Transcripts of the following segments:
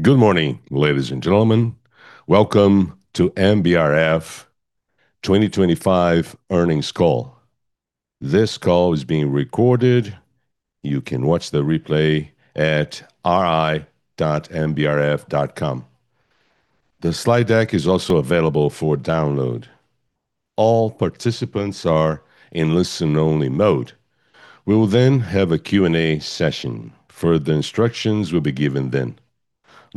Good morning, ladies and gentlemen. Welcome to MBRF 2025 earnings call. This call is being recorded. You can watch the replay at ri.mbrf.com. The slide deck is also available for download. All participants are in listen only mode. We will then have a Q&A session. Further instructions will be given then.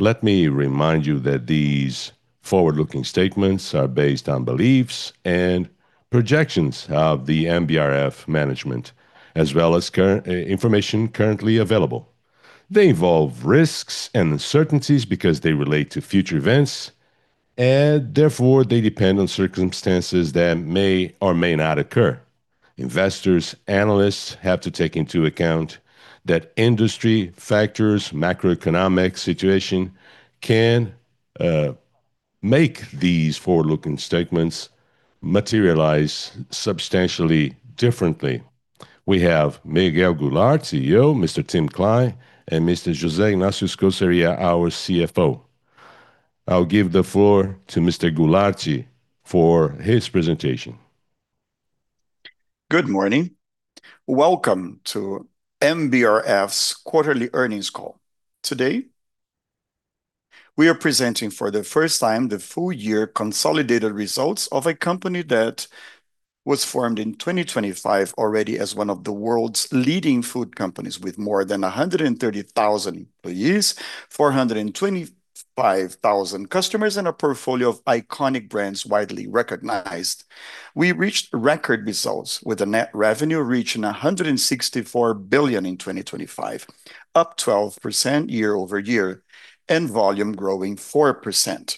Let me remind you that these forward-looking statements are based on beliefs and projections of the MBRF management, as well as current information currently available. They involve risks and uncertainties because they relate to future events, and therefore they depend on circumstances that may or may not occur. Investors, analysts have to take into account that industry factors, macroeconomic situation can make these forward-looking statements materialize substantially differently. We have Miguel Gularte, CEO, Mr. Tim Klein, and Mr. José Ignácio Scoseria Rey, our CFO. I'll give the floor to Mr. Gularte for his presentation. Good morning. Welcome to MBRF's quarterly earnings call. Today, we are presenting for the first time the full year consolidated results of a company that was formed in 2025 already as one of the world's leading food companies with more than 130,000 employees, 425,000 customers, and a portfolio of iconic brands widely recognized. We reached record results with the net revenue reaching 164 billion in 2025, up 12% year-over-year, and volume growing 4%.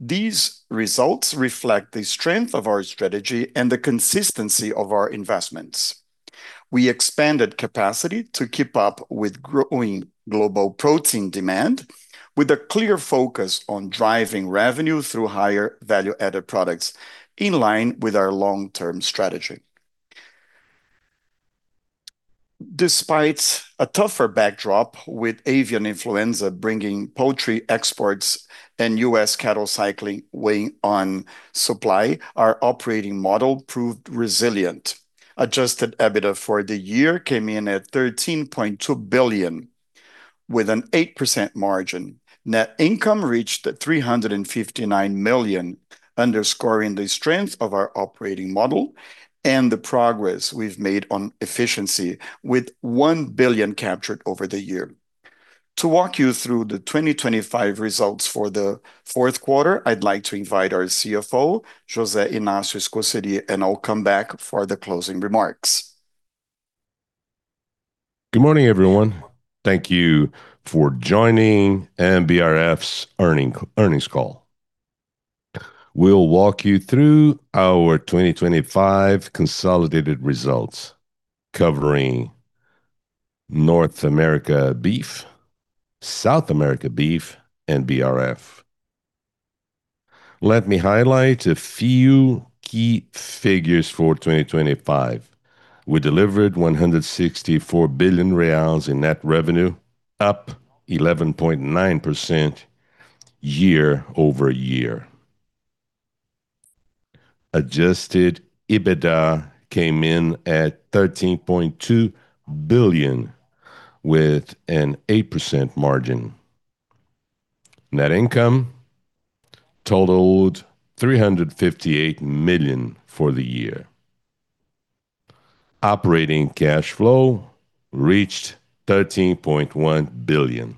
These results reflect the strength of our strategy and the consistency of our investments. We expanded capacity to keep up with growing global protein demand with a clear focus on driving revenue through higher value-added products in line with our long-term strategy. Despite a tougher backdrop with avian influenza bringing poultry exports and U.S. cattle cycling weighing on supply, our operating model proved resilient. Adjusted EBITDA for the year came in at BRL 13.2 billion, with an 8% margin. Net income reached at BRL 359 million, underscoring the strength of our operating model and the progress we've made on efficiency with 1 billion captured over the year. To walk you through the 2025 results for the fourth quarter, I'd like to invite our CFO, José Ignácio Scoseria Rey, and I'll come back for the closing remarks. Good morning, everyone. Thank you for joining MBRF's earnings call. We'll walk you through our 2025 consolidated results covering North America Beef, South America Beef, and BRF. Let me highlight a few key figures for 2025. We delivered 164 billion reais in net revenue, up 11.9% year over year. Adjusted EBITDA came in at 13.2 billion with an 8% margin. Net income totaled 358 million for the year. Operating cash flow reached BRL 13.1 billion.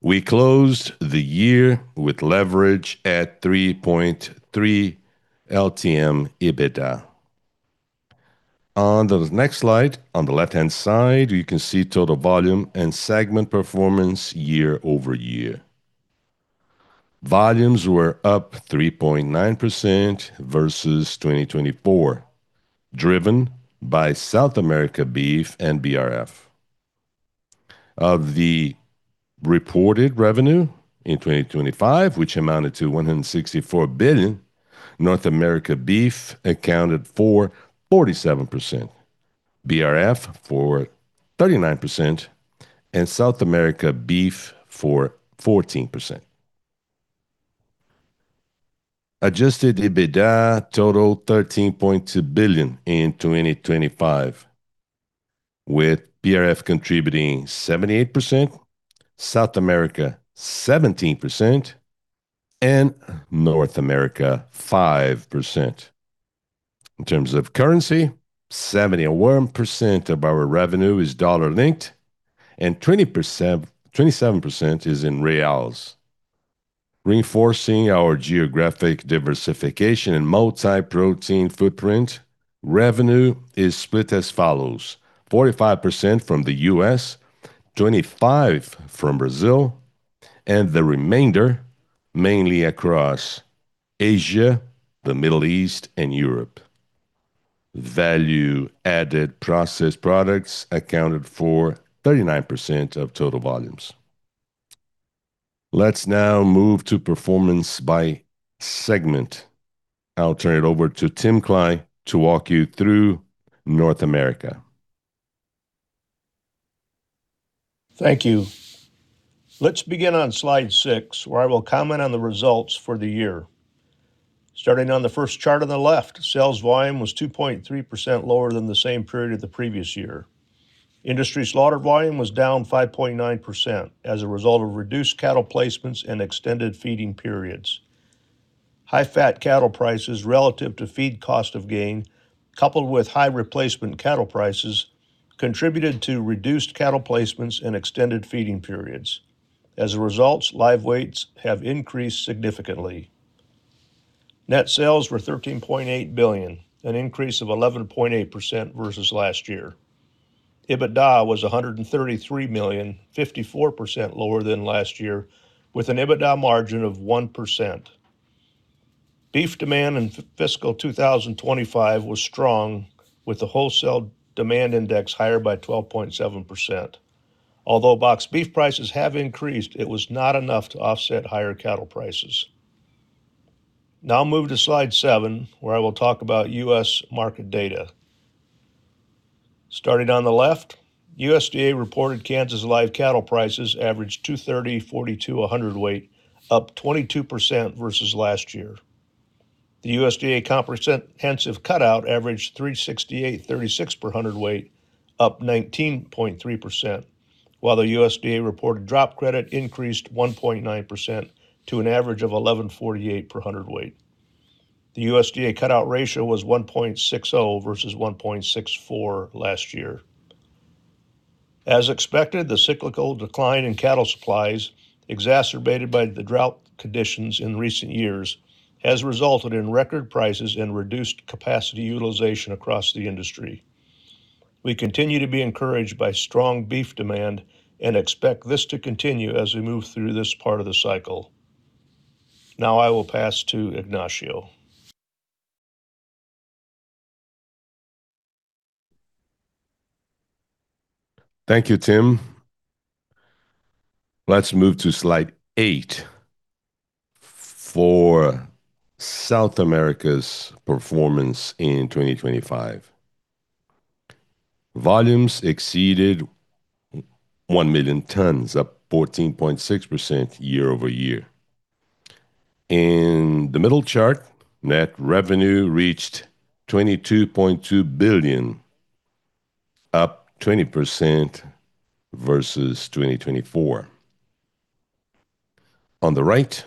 We closed the year with leverage at 3.3x LTM EBITDA. On the next slide, on the left-hand side, you can see total volume and segment performance year over year. Volumes were up 3.9% versus 2024, driven by South America Beef and BRF. Of the reported revenue in 2025, which amounted to 164 billion, North America Beef accounted for 47%, BRF for 39%, and South America Beef for 14%. Adjusted EBITDA totaled 13.2 billion in 2025, with BRF contributing 78%, South America 17%, and North America 5%. In terms of currency, 71% of our revenue is dollar-linked and 27% is in reals. Reinforcing our geographic diversification and multi-protein footprint, revenue is split as follows. 45% from the U.S., 25% from Brazil, and the remainder mainly across Asia, the Middle East, and Europe. Value-added processed products accounted for 39% of total volumes. Let's now move to performance by segment. I'll turn it over to Tim Klein to walk you through North America. Thank you. Let's begin on slide six, where I will comment on the results for the year. Starting on the first chart on the left, sales volume was 2.3% lower than the same period of the previous year. Industry slaughter volume was down 5.9% as a result of reduced cattle placements and extended feeding periods. High fat cattle prices relative to feed cost of gain, coupled with high replacement cattle prices, contributed to reduced cattle placements and extended feeding periods. As a result, live weights have increased significantly. Net sales were 13.8 billion, an increase of 11.8% versus last year. EBITDA was 133 million, 54% lower than last year, with an EBITDA margin of 1%. Beef demand in fiscal 2025 was strong, with the wholesale demand index higher by 12.7%. Although boxed beef prices have increased, it was not enough to offset higher cattle prices. Now move to slide 7, where I will talk about U.S. market data. Starting on the left, USDA-reported Kansas live cattle prices averaged $230.42 per hundredweight, up 22% versus last year. The USDA comprehensive cutout averaged $368.36 per hundredweight, up 19.3%, while the USDA-reported drop credit increased 1.9% to an average of $11.48 per hundredweight. The USDA cutout ratio was 1.60 versus 1.64 last year. As expected, the cyclical decline in cattle supplies, exacerbated by the drought conditions in recent years, has resulted in record prices and reduced capacity utilization across the industry. We continue to be encouraged by strong beef demand and expect this to continue as we move through this part of the cycle. Now I will pass to Ignacio. Thank you, Tim. Let's move to slide 8 for South America's performance in 2025. Volumes exceeded 1,000,000 tons, up 14.6% year-over-year. In the middle chart, net revenue reached 22.2 billion, up 20% versus 2024. On the right,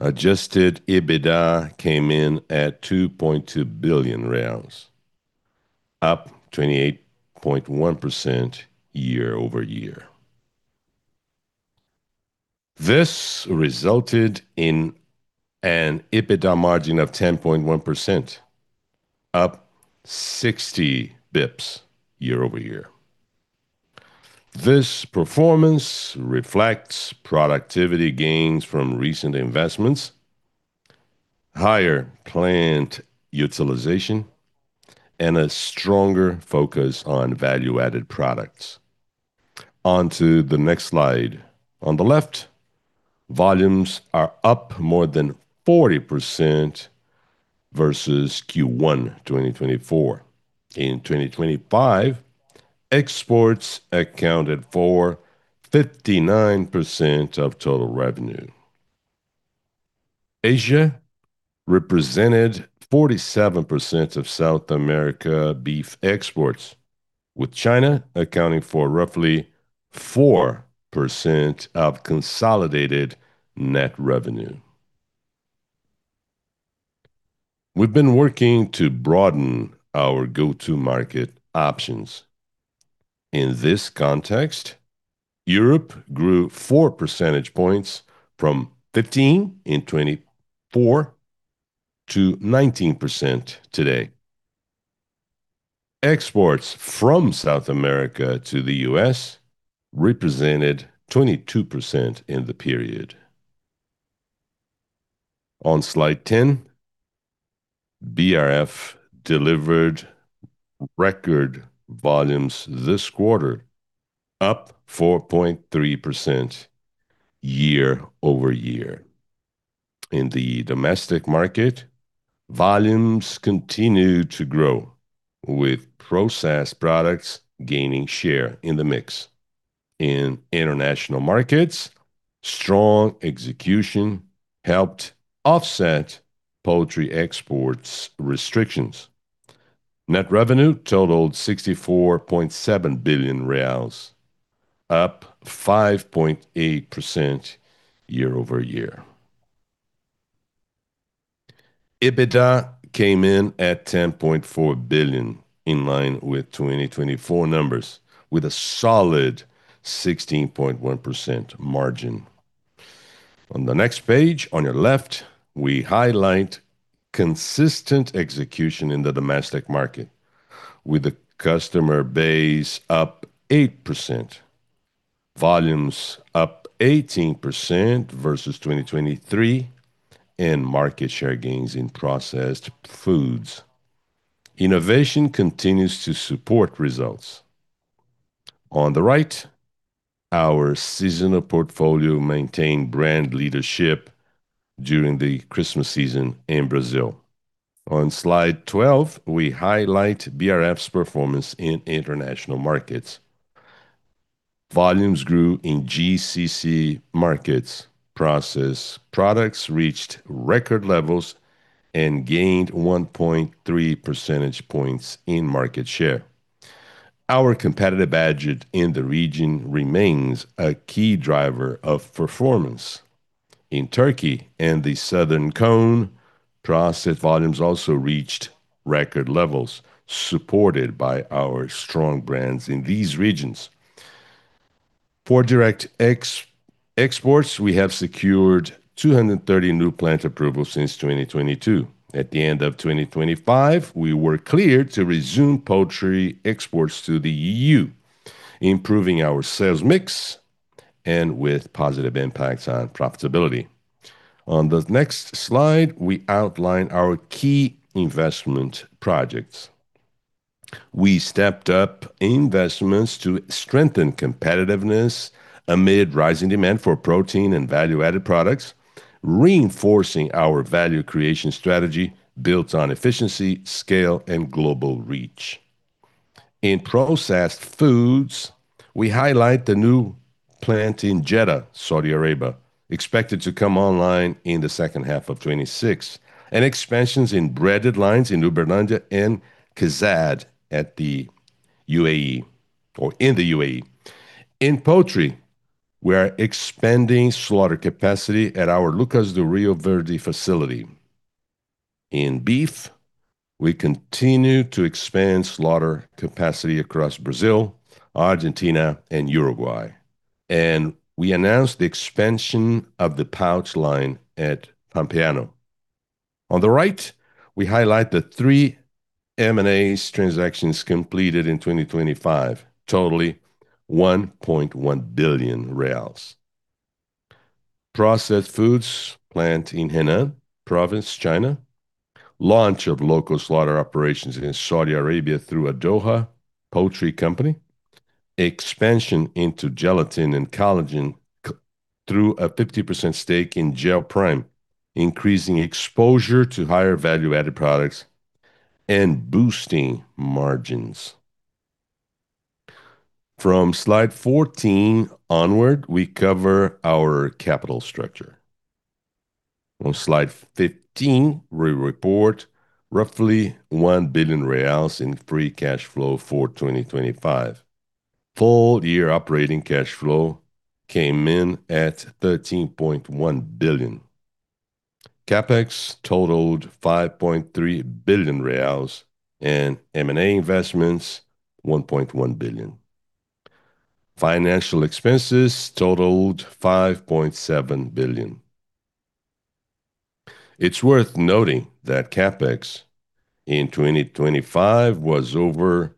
adjusted EBITDA came in at 2.2 billion reais, up 28.1% year-over-year. This resulted in an EBITDA margin of 10.1%, up 60 basis points year-over-year. This performance reflects productivity gains from recent investments, higher plant utilization, and a stronger focus on value-added products. On to the next slide. On the left, volumes are up more than 40% versus Q1 2024. In 2025, exports accounted for 59% of total revenue. Asia represented 47% of South America beef exports, with China accounting for roughly 4% of consolidated net revenue. We've been working to broaden our go-to market options. In this context, Europe grew four percentage points from 15 in 2024 to 19% today. Exports from South America to the U.S. represented 22% in the period. On slide 10, BRF delivered record volumes this quarter, up 4.3% year-over-year. In the domestic market, volumes continued to grow, with processed products gaining share in the mix. In international markets, strong execution helped offset poultry exports restrictions. Net revenue totaled 64.7 billion reais, up 5.8% year-over-year. EBITDA came in at 10.4 billion, in line with 2024 numbers, with a solid 16.1% margin. On the next page, on your left, we highlight consistent execution in the domestic market with the customer base up 8%, volumes up 18% versus 2023, and market share gains in processed foods. Innovation continues to support results. On the right, our seasonal portfolio maintained brand leadership during the Christmas season in Brazil. On slide 12, we highlight BRF's performance in international markets. Volumes grew in GCC markets, processed products reached record levels and gained 1.3 percentage points in market share. Our competitive edge in the region remains a key driver of performance. In Turkey and the Southern Cone, processed volumes also reached record levels, supported by our strong brands in these regions. For direct exports, we have secured 230 new plant approvals since 2022. At the end of 2025, we were cleared to resume poultry exports to the EU, improving our sales mix and with positive impacts on profitability. On the next slide, we outline our key investment projects. We stepped up investments to strengthen competitiveness amid rising demand for protein and value-added products, reinforcing our value creation strategy built on efficiency, scale and global reach. In processed foods, we highlight the new plant in Jeddah, Saudi Arabia, expected to come online in the second half of 2026, and expansions in breaded lines in Uberlândia and KIZAD in the UAE. In poultry, we're expanding slaughter capacity at our Lucas do Rio Verde facility. In beef, we continue to expand slaughter capacity across Brazil, Argentina and Uruguay, and we announced the expansion of the pouch line at Pampeano. On the right, we highlight the three M&A transactions completed in 2025 totaling BRL 1.1 billion. Processed foods plant in Henan province, China. Launch of local slaughter operations in Saudi Arabia through Addoha Poultry Company. Expansion into gelatin and collagen through a 50% stake in Gelprime, increasing exposure to higher value-added products and boosting margins. From slide 14 onward, we cover our capital structure. On slide 15, we report roughly 1 billion reais in free cash flow for 2025. Full year operating cash flow came in at 13.1 billion. CapEx totaled 5.3 billion reais and M&A investments 1.1 billion. Financial expenses totaled 5.7 billion. It's worth noting that CapEx in 2025 was over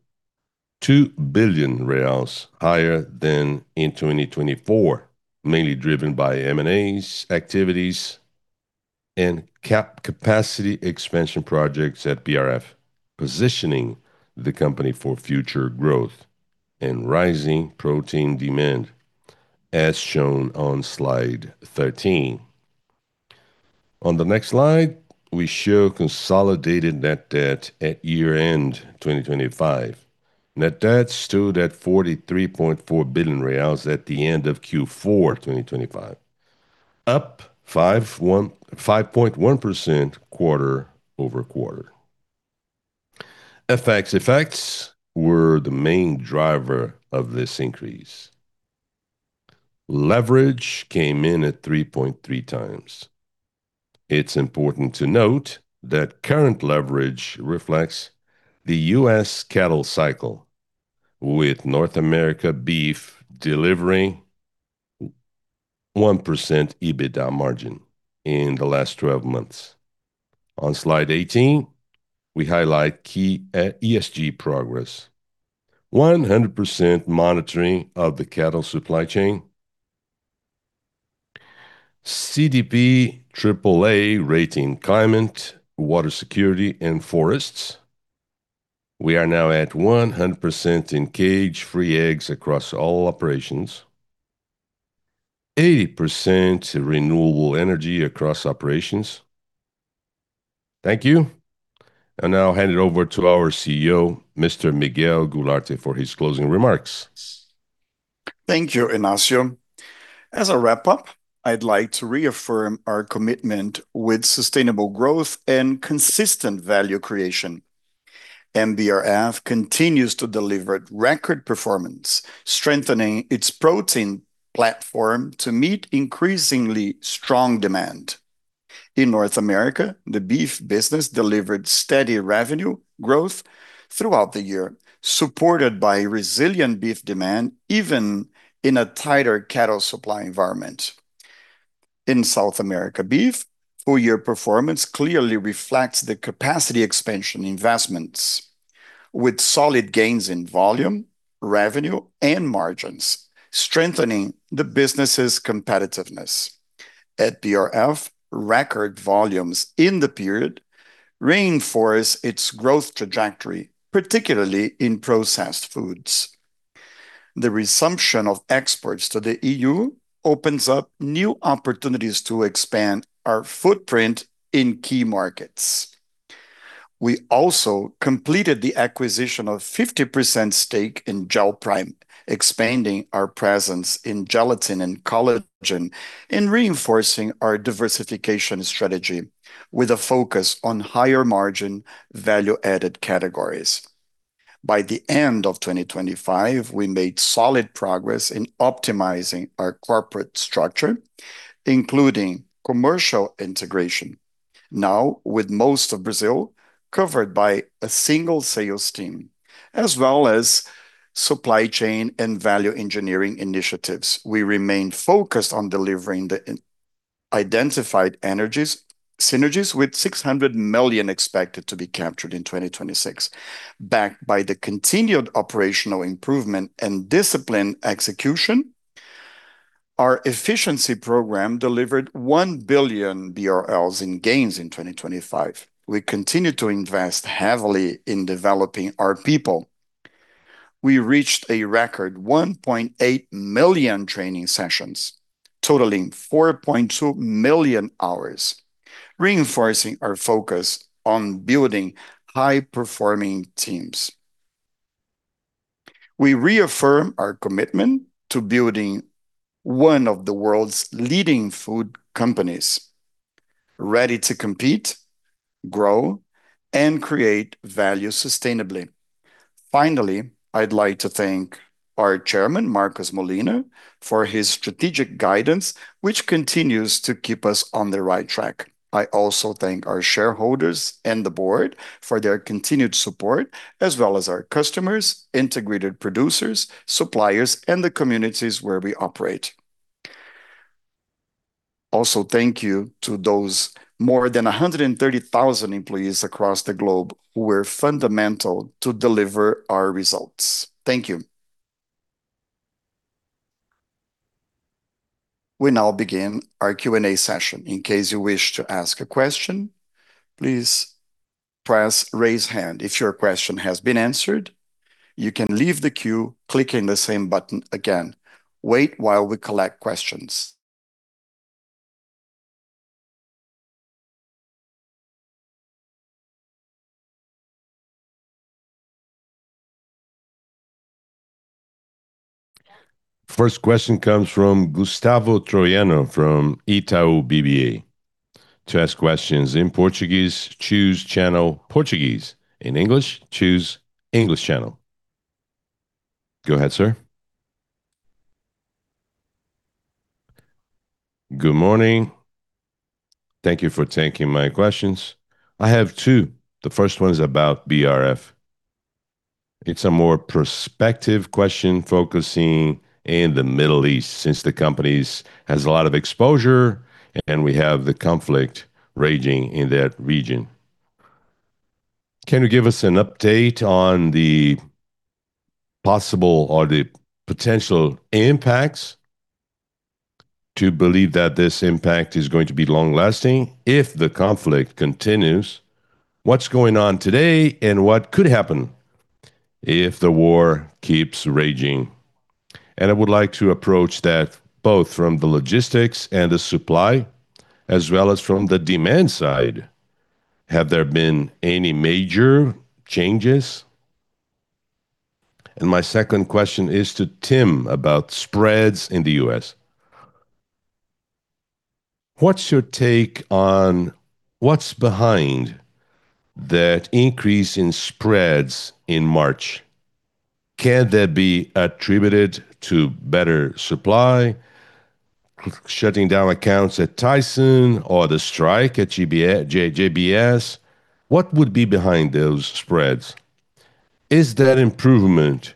2 billion reais higher than in 2024, mainly driven by M&A activities and capacity expansion projects at BRF, positioning the company for future growth and rising protein demand, as shown on slide 13. On the next slide, we show consolidated net debt at year-end 2025. Net debt stood at 43.4 billion reais at the end of Q4 2025, up 5.1% quarter-over-quarter. FX effects were the main driver of this increase. Leverage came in at 3.3x. It's important to note that current leverage reflects the U.S. cattle cycle, with North America beef delivering 1% EBITDA margin in the last twelve months. On slide 18, we highlight key ESG progress. 100% monitoring of the cattle supply chain. CDP triple A rating climate, water security and forests. We are now at 100% in cage-free eggs across all operations. 80% renewable energy across operations. Thank you. I now hand it over to our CEO, Mr. Miguel Gularte, for his closing remarks. Thank you, Inácio. As a wrap-up, I'd like to reaffirm our commitment with sustainable growth and consistent value creation. MBRF continues to deliver record performance, strengthening its protein platform to meet increasingly strong demand. In North America, the beef business delivered steady revenue growth throughout the year, supported by resilient beef demand, even in a tighter cattle supply environment. In South America, beef full-year performance clearly reflects the capacity expansion investments. With solid gains in volume, revenue, and margins, strengthening the business's competitiveness. At BRF, record volumes in the period reinforce its growth trajectory, particularly in processed foods. The resumption of exports to the EU opens up new opportunities to expand our footprint in key markets. We also completed the acquisition of 50% stake in Gelprime, expanding our presence in gelatin and collagen and reinforcing our diversification strategy with a focus on higher margin, value-added categories. By the end of 2025, we made solid progress in optimizing our corporate structure, including commercial integration, now with most of Brazil covered by a single sales team, as well as supply chain and value engineering initiatives. We remain focused on delivering the synergies with 600 million expected to be captured in 2026. Backed by the continued operational improvement and disciplined execution, our efficiency program delivered 1 billion BRL in gains in 2025. We continue to invest heavily in developing our people. We reached a record 1.8 million training sessions, totaling 4.2 million hours, reinforcing our focus on building high-performing teams. We reaffirm our commitment to building one of the world's leading food companies, ready to compete, grow, and create value sustainably. Finally, I'd like to thank our chairman, Marcos Molina, for his strategic guidance, which continues to keep us on the right track. I also thank our shareholders and the board for their continued support, as well as our customers, integrated producers, suppliers, and the communities where we operate. Also, thank you to those more than 130,000 employees across the globe who were fundamental to deliver our results. Thank you. We now begin our Q&A session. In case you wish to ask a question, please press Raise Hand. If your question has been answered, you can leave the queue clicking the same button again. Wait while we collect questions. First question comes from Gustavo Troyano from Itaú BBA. To ask questions in Portuguese, choose channel Portuguese. In English, choose English channel. Go ahead, sir. Good morning. Thank you for taking my questions. I have two. The first one is about BRF. It's a more prospective question focusing on the Middle East, since the company has a lot of exposure, and we have the conflict raging in that region. Can you give us an update on the possible or the potential impacts? Do you believe that this impact is going to be long-lasting if the conflict continues? What's going on today, and what could happen if the war keeps raging? I would like to approach that both from the logistics and the supply, as well as from the demand side. Have there been any major changes? My second question is to Tim about spreads in the U.S. What's your take on what's behind that increase in spreads in March? Can that be attributed to better supply, shutting down plants at Tyson or the strike at JBS? What would be behind those spreads? Is that improvement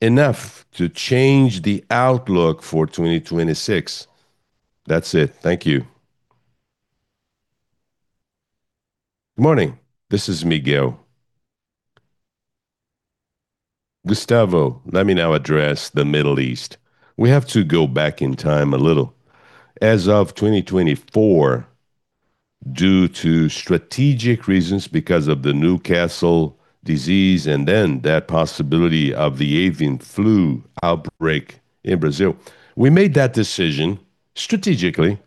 enough to change the outlook for 2026? That's it. Thank you. Good morning. This is Miguel. Gustavo, let me now address the Middle East. We have to go back in time a little. As of 2024, due to strategic reasons because of the Newcastle disease and then that possibility of the avian flu outbreak in Brazil, we made that decision strategically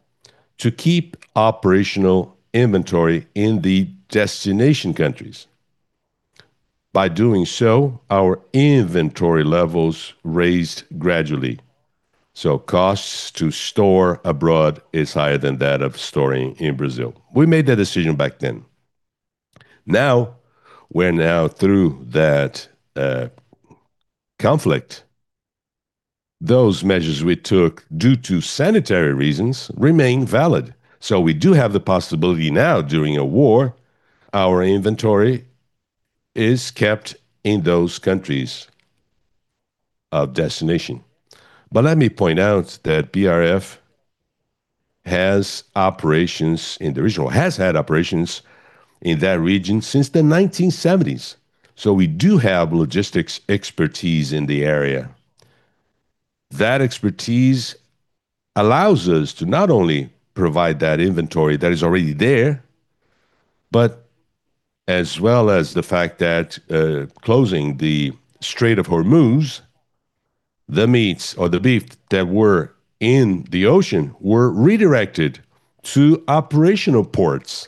to keep operational inventory in the destination countries. By doing so, our inventory levels raised gradually, so costs to store abroad is higher than that of storing in Brazil. We made that decision back then. Now, we're through that conflict. Those measures we took due to sanitary reasons remain valid, so we do have the possibility now during a war, our inventory is kept in those countries. Of destination. Let me point out that BRF has operations in the region, or has had operations in that region since the 1970s. We do have logistics expertise in the area. That expertise allows us to not only provide that inventory that is already there, but as well as the fact that closing the Strait of Hormuz, the meats or the beef that were in the ocean were redirected to operational ports.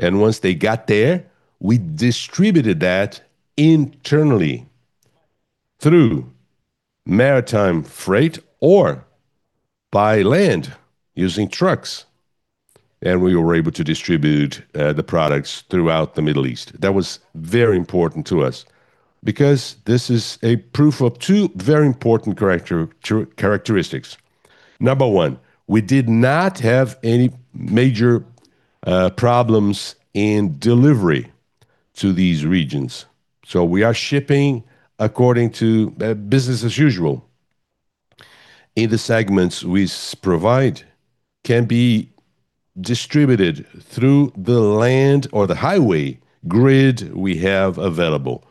Once they got there, we distributed that internally through maritime freight or by land using trucks, and we were able to distribute the products throughout the Middle East. That was very important to us because this is a proof of two very important characteristics. Number one, we did not have any major problems in delivery to these regions. We are shipping according to business as usual. The segments we provide can be distributed through the land or the highway grid we have available.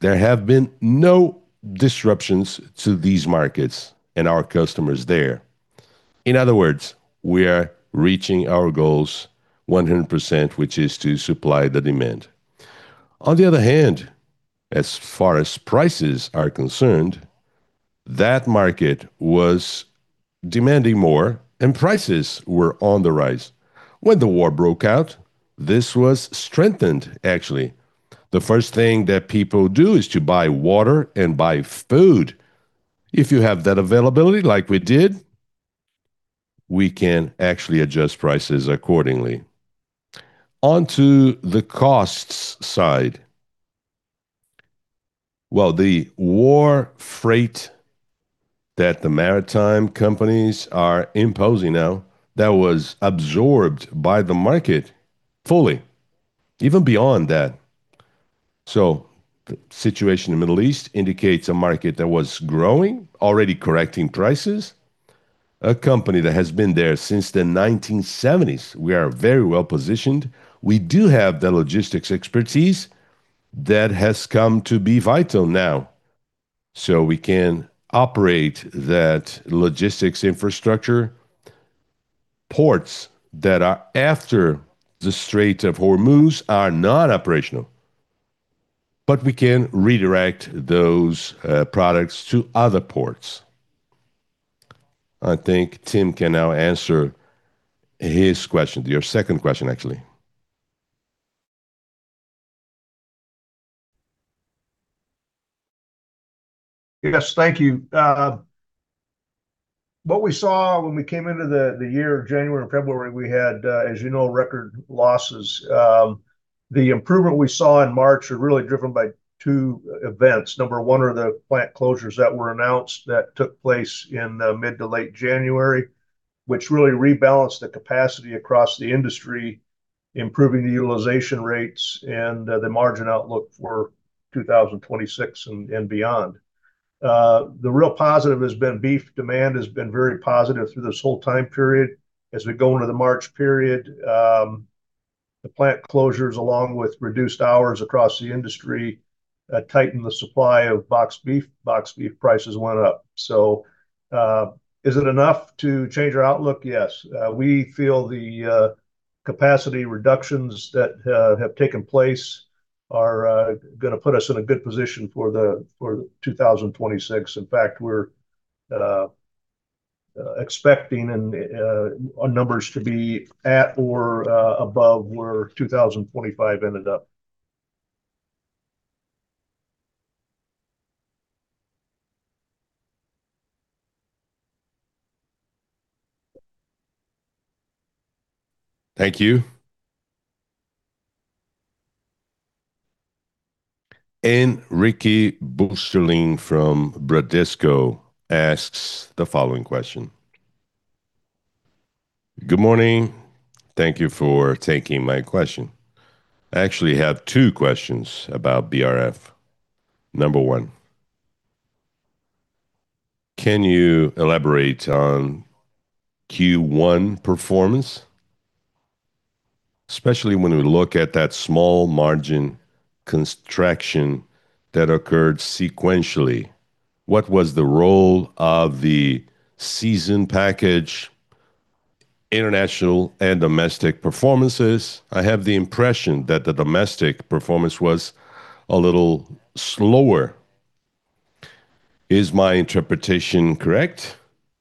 There have been no disruptions to these markets and our customers there. In other words, we are reaching our goals 100%, which is to supply the demand. On the other hand, as far as prices are concerned, that market was demanding more and prices were on the rise. When the war broke out, this was strengthened actually. The first thing that people do is to buy water and buy food. If you have that availability like we did, we can actually adjust prices accordingly. On to the costs side. Well, the higher freight that the maritime companies are imposing now, that was absorbed by the market fully, even beyond that. The situation in the Middle East indicates a market that was growing, already correcting prices. A company that has been there since the 1970s, we are very well-positioned. We do have the logistics expertise that has come to be vital now, so we can operate that logistics infrastructure. Ports that are after the Strait of Hormuz are not operational, but we can redirect those products to other ports. I think Tim can now answer his question, your second question, actually. Yes. Thank you. What we saw when we came into the year, January and February, we had, as you know, record losses. The improvement we saw in March are really driven by two events. Number one are the plant closures that were announced that took place in mid to late January, which really rebalanced the capacity across the industry, improving the utilization rates and the margin outlook for 2026 and beyond. The real positive has been beef demand has been very positive through this whole time period. As we go into the March period, the plant closures, along with reduced hours across the industry, tightened the supply of boxed beef. Boxed beef prices went up. Is it enough to change our outlook? Yes. We feel the capacity reductions that have taken place are gonna put us in a good position for 2026. In fact, we're expecting our numbers to be at or above where 2025 ended up. Thank you. Henrique Brustolin from Bradesco asks the following question. "Good morning. Thank you for taking my question. I actually have two questions about BRF. Number one, can you elaborate on Q1 performance, especially when we look at that small margin contraction that occurred sequentially? What was the role of the season package, international and domestic performances? I have the impression that the domestic performance was a little slower. Is my interpretation correct?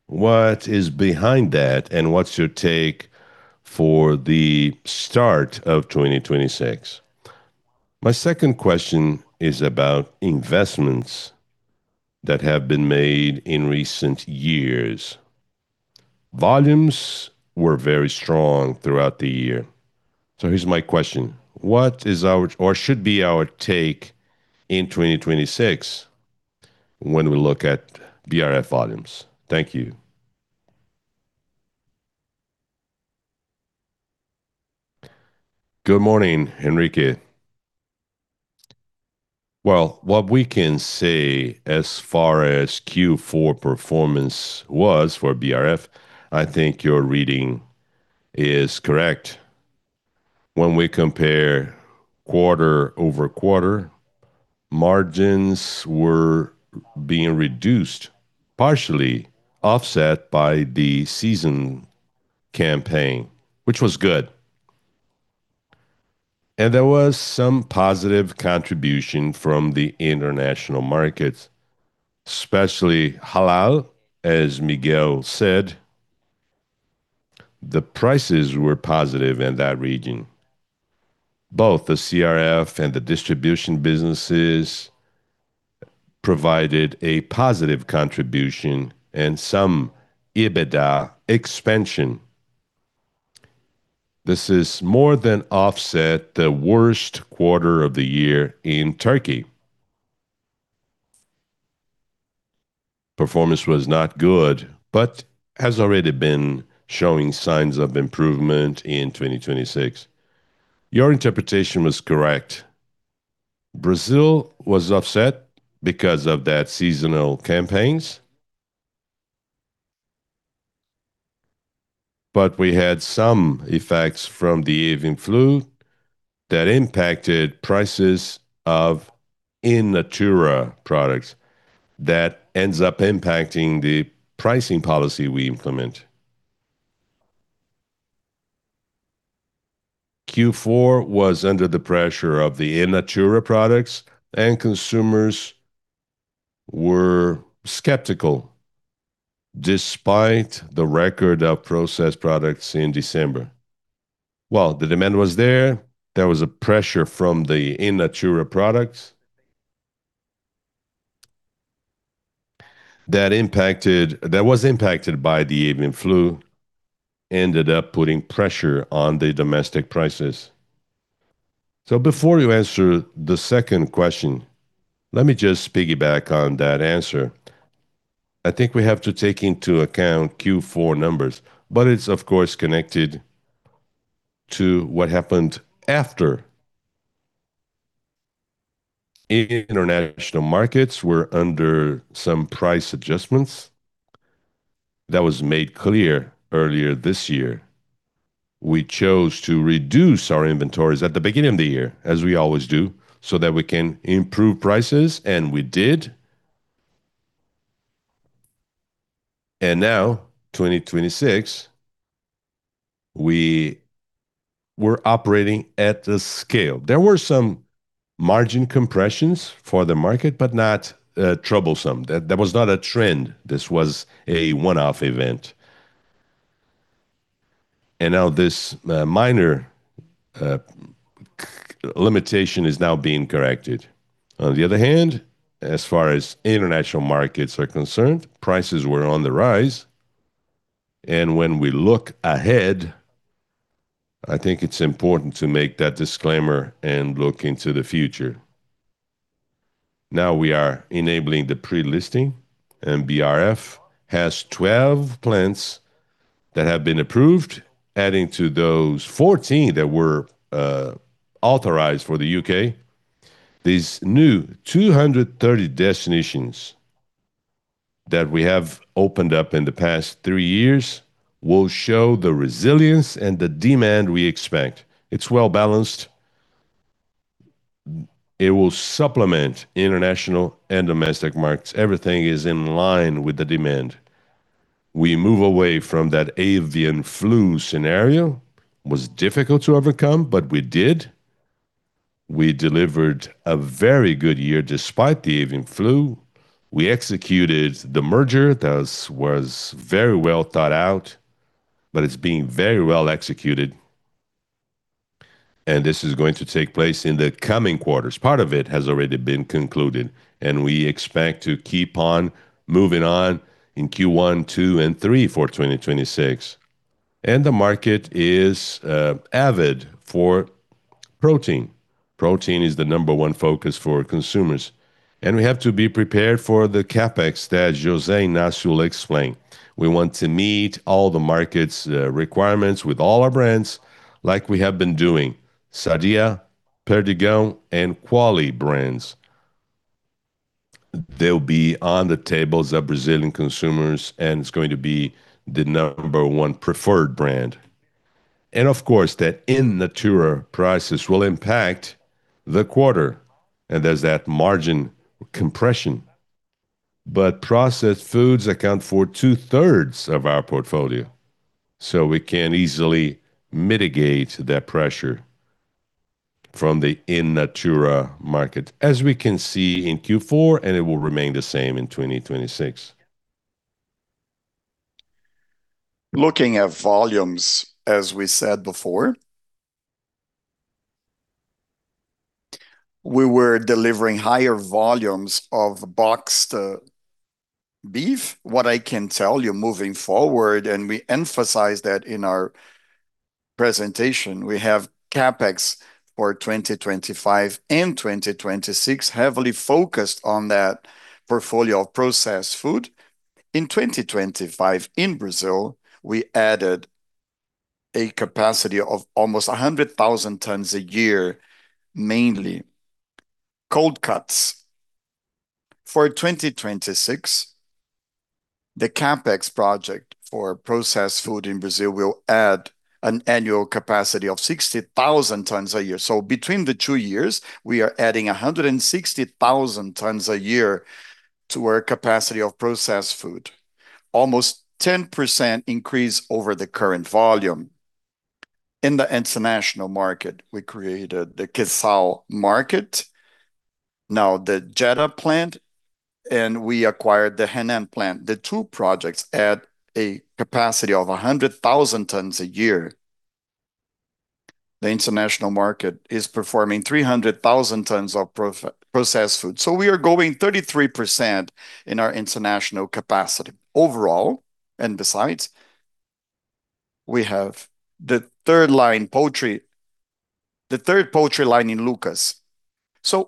What is behind that, and what's your take for the start of 2026? My second question is about investments that have been made in recent years. Volumes were very strong throughout the year. Here's my question: What is our or should be our take in 2026 when we look at BRF volumes? Thank you." Good morning, Henrique. Well, what we can say as far as Q4 performance was for BRF, I think your reading is correct. When we compare quarter-over-quarter, margins were being reduced, partially offset by the seasonal campaign, which was good. There was some positive contribution from the international markets, especially Halal, as Miguel said. The prices were positive in that region. Both the BRF and the distribution businesses provided a positive contribution and some EBITDA expansion. This has more than offset the worst quarter of the year in Turkey. Performance was not good, but has already been showing signs of improvement in 2026. Your interpretation was correct. Brazil was upset because of that seasonal campaigns. We had some effects from the avian flu that impacted prices of In Natura products that ends up impacting the pricing policy we implement. Q4 was under the pressure of the In Natura products, and consumers were skeptical despite the record of processed products in December. Well, the demand was there. There was a pressure from the In Natura products that was impacted by the avian flu, ended up putting pressure on the domestic prices. Before you answer the second question, let me just piggyback on that answer. I think we have to take into account Q4 numbers, but it's of course connected to what happened after. International markets were under some price adjustments. That was made clear earlier this year. We chose to reduce our inventories at the beginning of the year, as we always do, so that we can improve prices, and we did. Now, 2026, we were operating at the scale. There were some margin compressions for the market, but not troublesome. That was not a trend. This was a one-off event. Now this minor limitation is now being corrected. On the other hand, as far as international markets are concerned, prices were on the rise. When we look ahead, I think it's important to make that disclaimer and look into the future. Now we are enabling the pre-listing and BRF has 12 plants that have been approved, adding to those 14 that were authorized for the U.K.. These new 230 destinations that we have opened up in the past three years will show the resilience and the demand we expect. It's well-balanced. It will supplement international and domestic markets. Everything is in line with the demand. We move away from that avian flu scenario. Was difficult to overcome, but we did. We delivered a very good year despite the avian flu. We executed the merger that was very well thought out, but it's being very well executed and this is going to take place in the coming quarters. Part of it has already been concluded, and we expect to keep on moving on in Q1, Q2, and Q3 for 2026. The market is avid for protein. Protein is the number one focus for consumers, and we have to be prepared for the CapEx that José now shall explain. We want to meet all the market's requirements with all our brands like we have been doing. Sadia, Perdigão, and Qualy brands. They'll be on the tables of Brazilian consumers, and it's going to be the number one preferred brand. Of course, that In Natura prices will impact the quarter, and there's that margin compression. Processed foods account for 2/3 of our portfolio, so we can easily mitigate that pressure from the In Natura market, as we can see in Q4, and it will remain the same in 2026. Looking at volumes, as we said before, we were delivering higher volumes of boxed beef. What I can tell you moving forward, and we emphasize that in our presentation, we have CapEx for 2025 and 2026 heavily focused on that portfolio of processed food. In 2025, in Brazil, we added a capacity of almost 100,000 tons a year, mainly cold cuts. For 2026, the CapEx project for processed food in Brazil will add an annual capacity of 60,000 tons a year. Between the two years, we are adding 160,000 tons a year to our capacity of processed food. Almost 10% increase over the current volume. In the international market, we created the Halal market. Now, the Jeddah plant, and we acquired the Henan plant. The two projects at a capacity of 100,000 tons a year. The international market is performing 300,000 tons of processed food. We are going 33% in our international capacity. Overall, besides, we have the third poultry line in Lucas.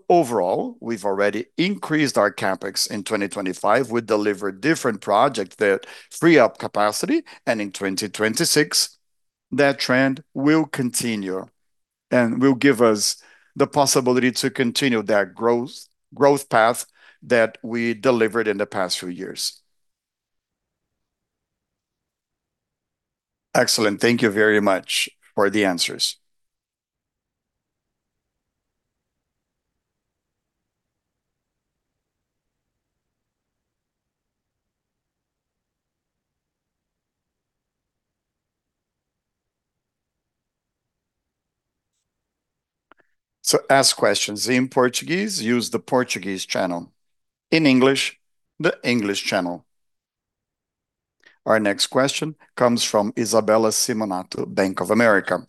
Overall, we've already increased our CapEx in 2025. We delivered different project that free up capacity, and in 2026 that trend will continue and will give us the possibility to continue that growth path that we delivered in the past few years. Excellent. Thank you very much for the answers. Ask questions in Portuguese, use the Portuguese channel. In English, the English channel. Our next question comes from Isabella Simonato, Bank of America.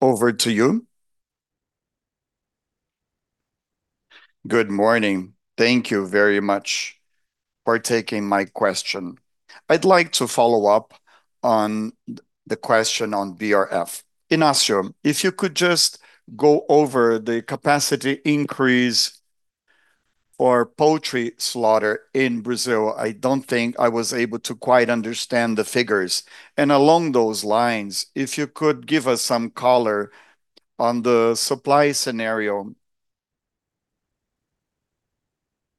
Over to you. Good morning. Thank you very much for taking my question. I'd like to follow up on the question on BRF. Inácio, if you could just go over the capacity increase for poultry slaughter in Brazil, I don't think I was able to quite understand the figures. Along those lines, if you could give us some color on the supply scenario,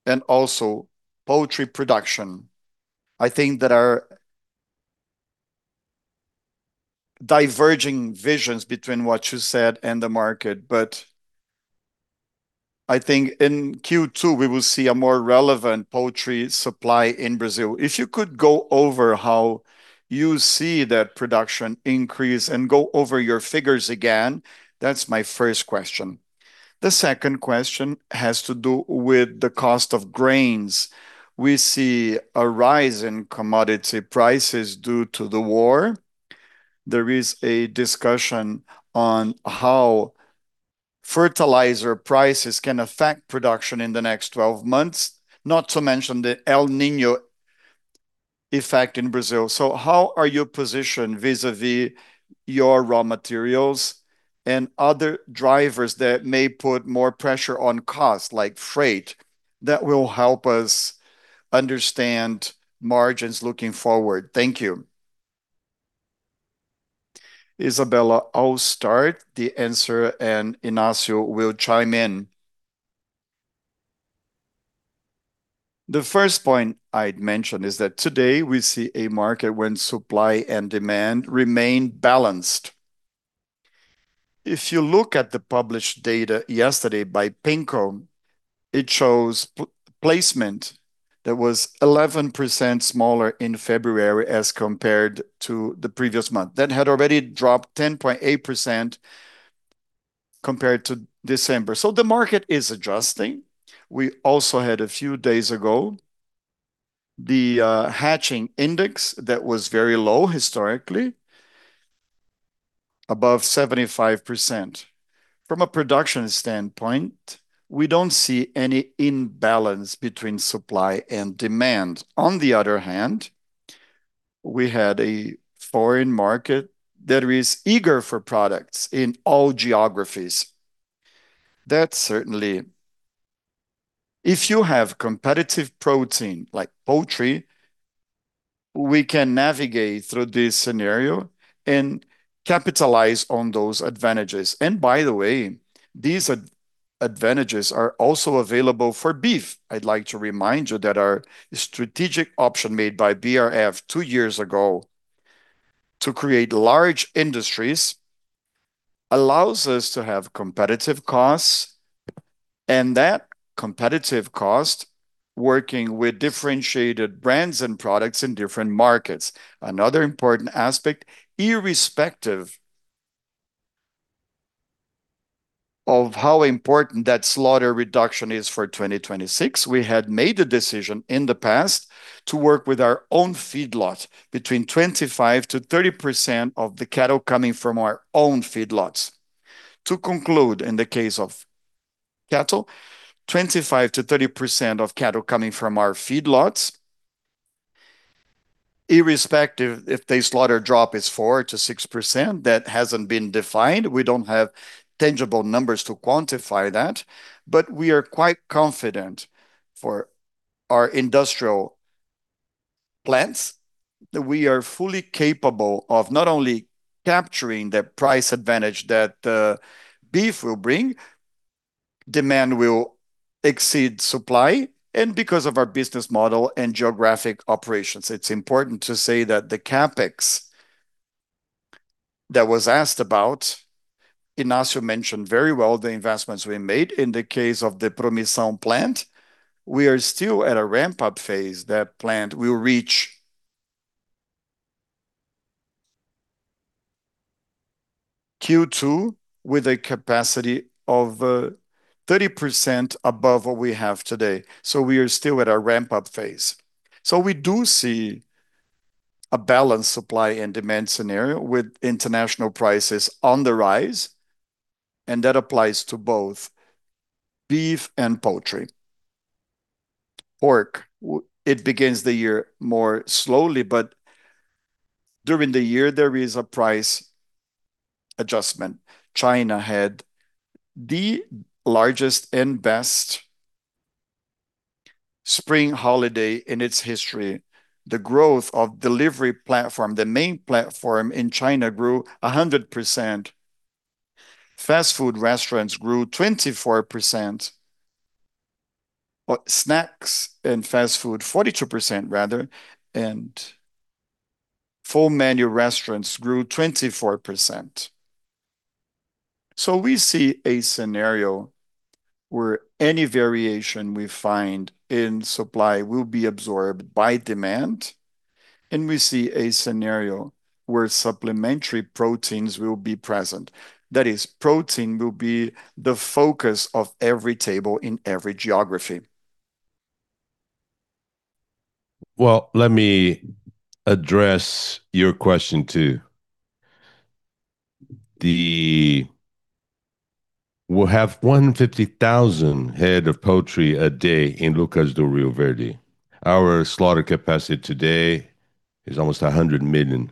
and also poultry production? I think there are diverging visions between what you said and the market, but I think in Q2, we will see a more relevant poultry supply in Brazil. If you could go over how you see that production increase and go over your figures again? That's my first question. The second question has to do with the cost of grains. We see a rise in commodity prices due to the war. There is a discussion on how fertilizer prices can affect production in the next 12 months, not to mention the El Niño effect in Brazil. How are you positioned vis-à-vis your raw materials and other drivers that may put more pressure on cost, like freight, that will help us understand margins looking forward? Thank you. Isabella, I'll start the answer, and Inácio will chime in. The first point I'd mention is that today we see a market where supply and demand remain balanced. If you look at the published data yesterday by Penco, it shows placement that was 11% smaller in February as compared to the previous month. That had already dropped 10.8% compared to December. The market is adjusting. We also had a few days ago the hatching index that was very low historically, above 75%. From a production standpoint, we don't see any imbalance between supply and demand. On the other hand, we had a foreign market that is eager for products in all geographies. That's certainly. If you have competitive protein like poultry, we can navigate through this scenario and capitalize on those advantages. By the way, these advantages are also available for beef. I'd like to remind you that our strategic option made by BRF two years ago to create large industries allows us to have competitive costs, and that competitive cost working with differentiated brands and products in different markets. Another important aspect, irrespective of how important that slaughter reduction is for 2026, we had made the decision in the past to work with our own feedlot between 25%-30% of the cattle coming from our own feedlots. To conclude, in the case of cattle, 25%-30% of cattle coming from our feedlots. Irrespective if the slaughter drop is 4%-6%, that hasn't been defined. We don't have tangible numbers to quantify that. We are quite confident for our industrial plants that we are fully capable of not only capturing the price advantage that beef will bring, demand will exceed supply, and because of our business model and geographic operations. It's important to say that the CapEx that was asked about, Inácio mentioned very well the investments we made in the case of the Promissão plant. We are still at a ramp-up phase. That plant will reach Q2 with a capacity of 30% above what we have today. We are still at our ramp-up phase. We do see a balanced supply and demand scenario with international prices on the rise, and that applies to both beef and poultry. Pork, it begins the year more slowly, but during the year there is a price adjustment. China had the largest and best spring holiday in its history. The growth of delivery platform, the main platform in China grew 100%. Fast food restaurants grew 24%, but snacks and fast food 42% rather, and full menu restaurants grew 24%. We see a scenario where any variation we find in supply will be absorbed by demand, and we see a scenario where supplementary proteins will be present. That is, protein will be the focus of every table in every geography. Well, let me address your question too. We'll have 150,000 head of poultry a day in Lucas do Rio Verde. Our slaughter capacity today is almost 100 million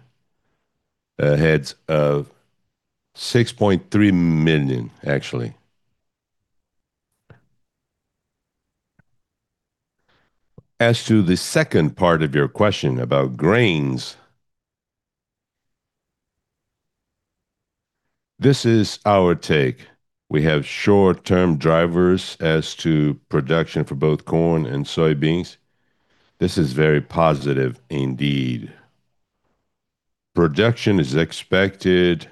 heads of 6.3 million actually. As to the second part of your question about grains, this is our take. We have short-term drivers as to production for both corn and soybeans. This is very positive indeed. Production is expected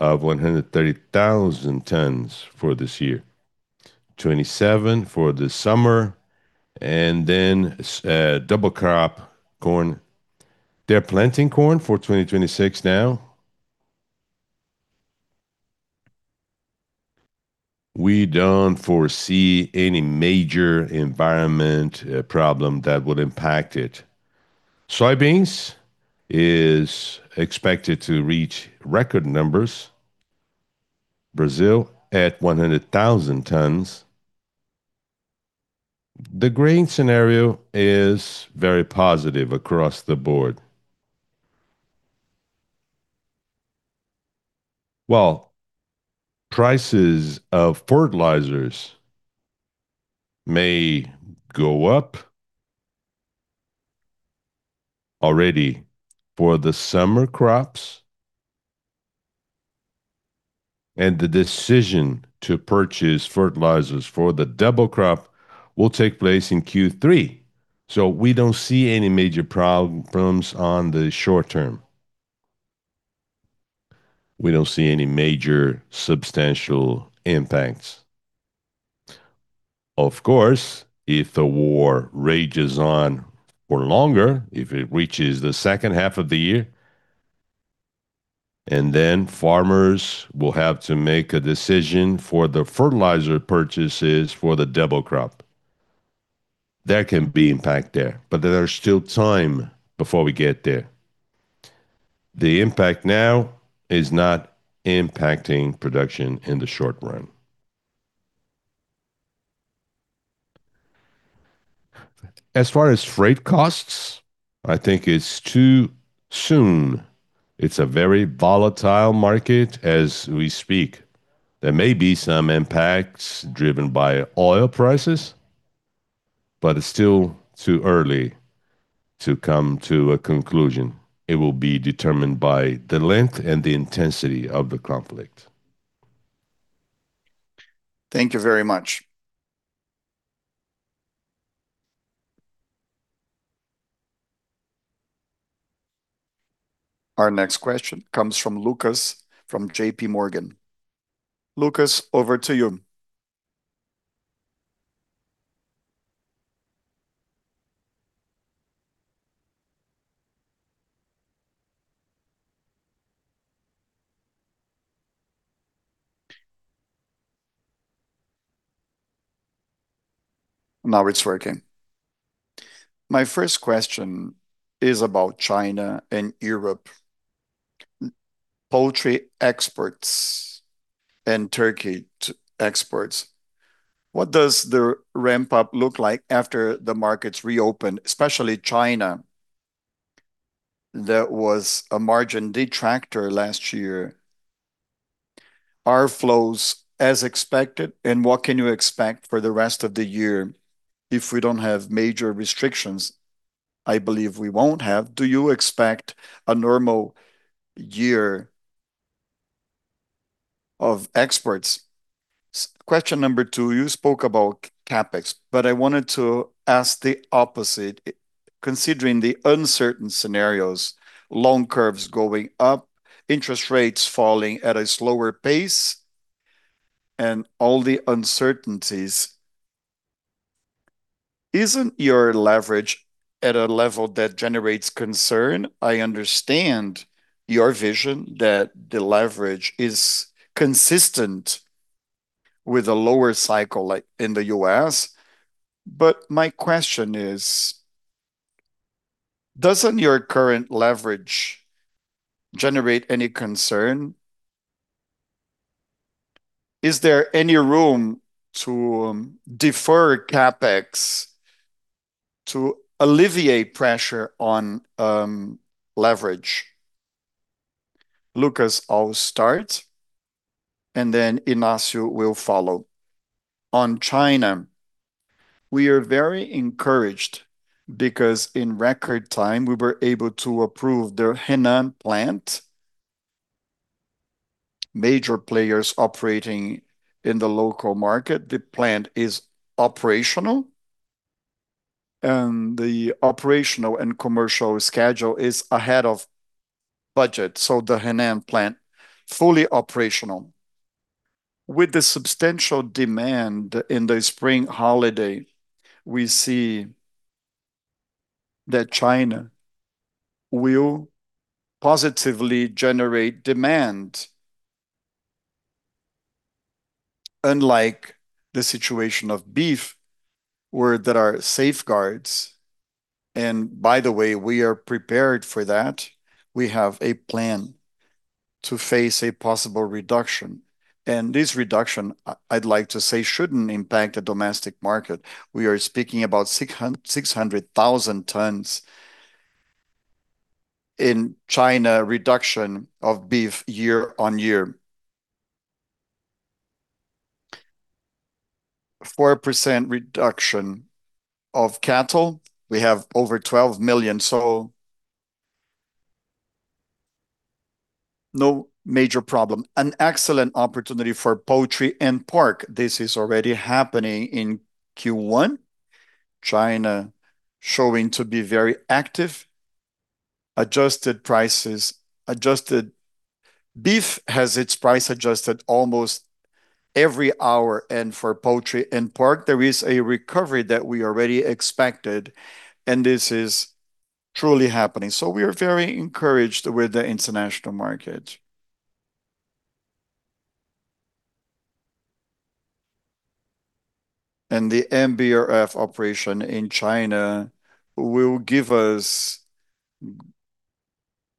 of 130,000 tons for this year. 27 for the summer and then double crop corn. They're planting corn for 2026 now. We don't foresee any major environmental problem that would impact it. Soybeans is expected to reach record numbers. Brazil at 100,000 tons. The grain scenario is very positive across the board. Well, prices of fertilizers may go up already for the summer crops, and the decision to purchase fertilizers for the double crop will take place in Q3. We don't see any major problems on the short term. We don't see any major substantial impacts. Of course, if the war rages on for longer, if it reaches the second half of the year, and then farmers will have to make a decision for the fertilizer purchases for the double crop. There can be impact there, but there are still time before we get there. The impact now is not impacting production in the short run. As far as freight costs, I think it's too soon. It's a very volatile market as we speak. There may be some impacts driven by oil prices, but it's still too early to come to a conclusion. It will be determined by the length and the intensity of the conflict. Thank you very much. Our next question comes from Lucas from JPMorgan. Lucas, over to you. Now it's working. My first question is about China and Europe. Poultry exports and turkey exports, what does the ramp-up look like after the markets reopen, especially China, that was a margin detractor last year? Are flows as expected, and what can you expect for the rest of the year if we don't have major restrictions? I believe we won't have. Do you expect a normal year of exports? Question number two, you spoke about CapEx, but I wanted to ask the opposite. Considering the uncertain scenarios, loan curves going up, interest rates falling at a slower pace, and all the uncertainties, isn't your leverage at a level that generates concern? I understand your vision that the leverage is consistent with a lower cycle like in the U.S., but my question is, doesn't your current leverage generate any concern? Is there any room to defer CapEx to alleviate pressure on, leverage? Lucas, I'll start, and then Inácio will follow. On China, we are very encouraged because in record time we were able to approve their Henan plant. Major players operating in the local market. The plant is operational, and the operational and commercial schedule is ahead of budget, so the Henan plant, fully operational. With the substantial demand in the spring holiday, we see that China will positively generate demand, unlike the situation of beef where there are safeguards. By the way, we are prepared for that. We have a plan to face a possible reduction, and this reduction, I'd like to say, shouldn't impact the domestic market. We are speaking about 600,000 tons in China reduction of beef year-over-year. 4% reduction of cattle. We have over 12 million, so no major problem. An excellent opportunity for poultry and pork. This is already happening in Q1. China showing to be very active. Adjusted prices. Beef has its price adjusted almost every hour, and for poultry and pork, there is a recovery that we already expected, and this is truly happening. So we are very encouraged with the international market. The BRF operation in China will give us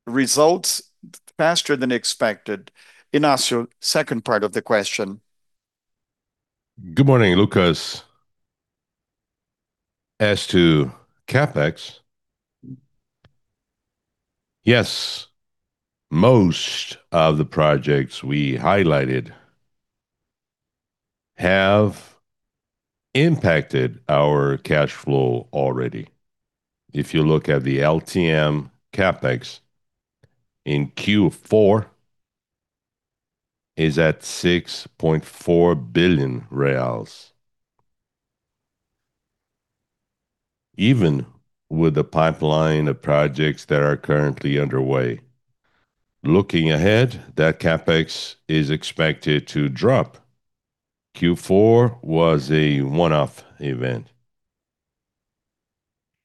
results faster than expected. Inácio, second part of the question. Good morning, Lucas. As to CapEx, yes, most of the projects we highlighted have impacted our cash flow already. If you look at the LTM CapEx in Q4 is at 6.4 billion reais. Even with the pipeline of projects that are currently underway, looking ahead, that CapEx is expected to drop. Q4 was a one-off event.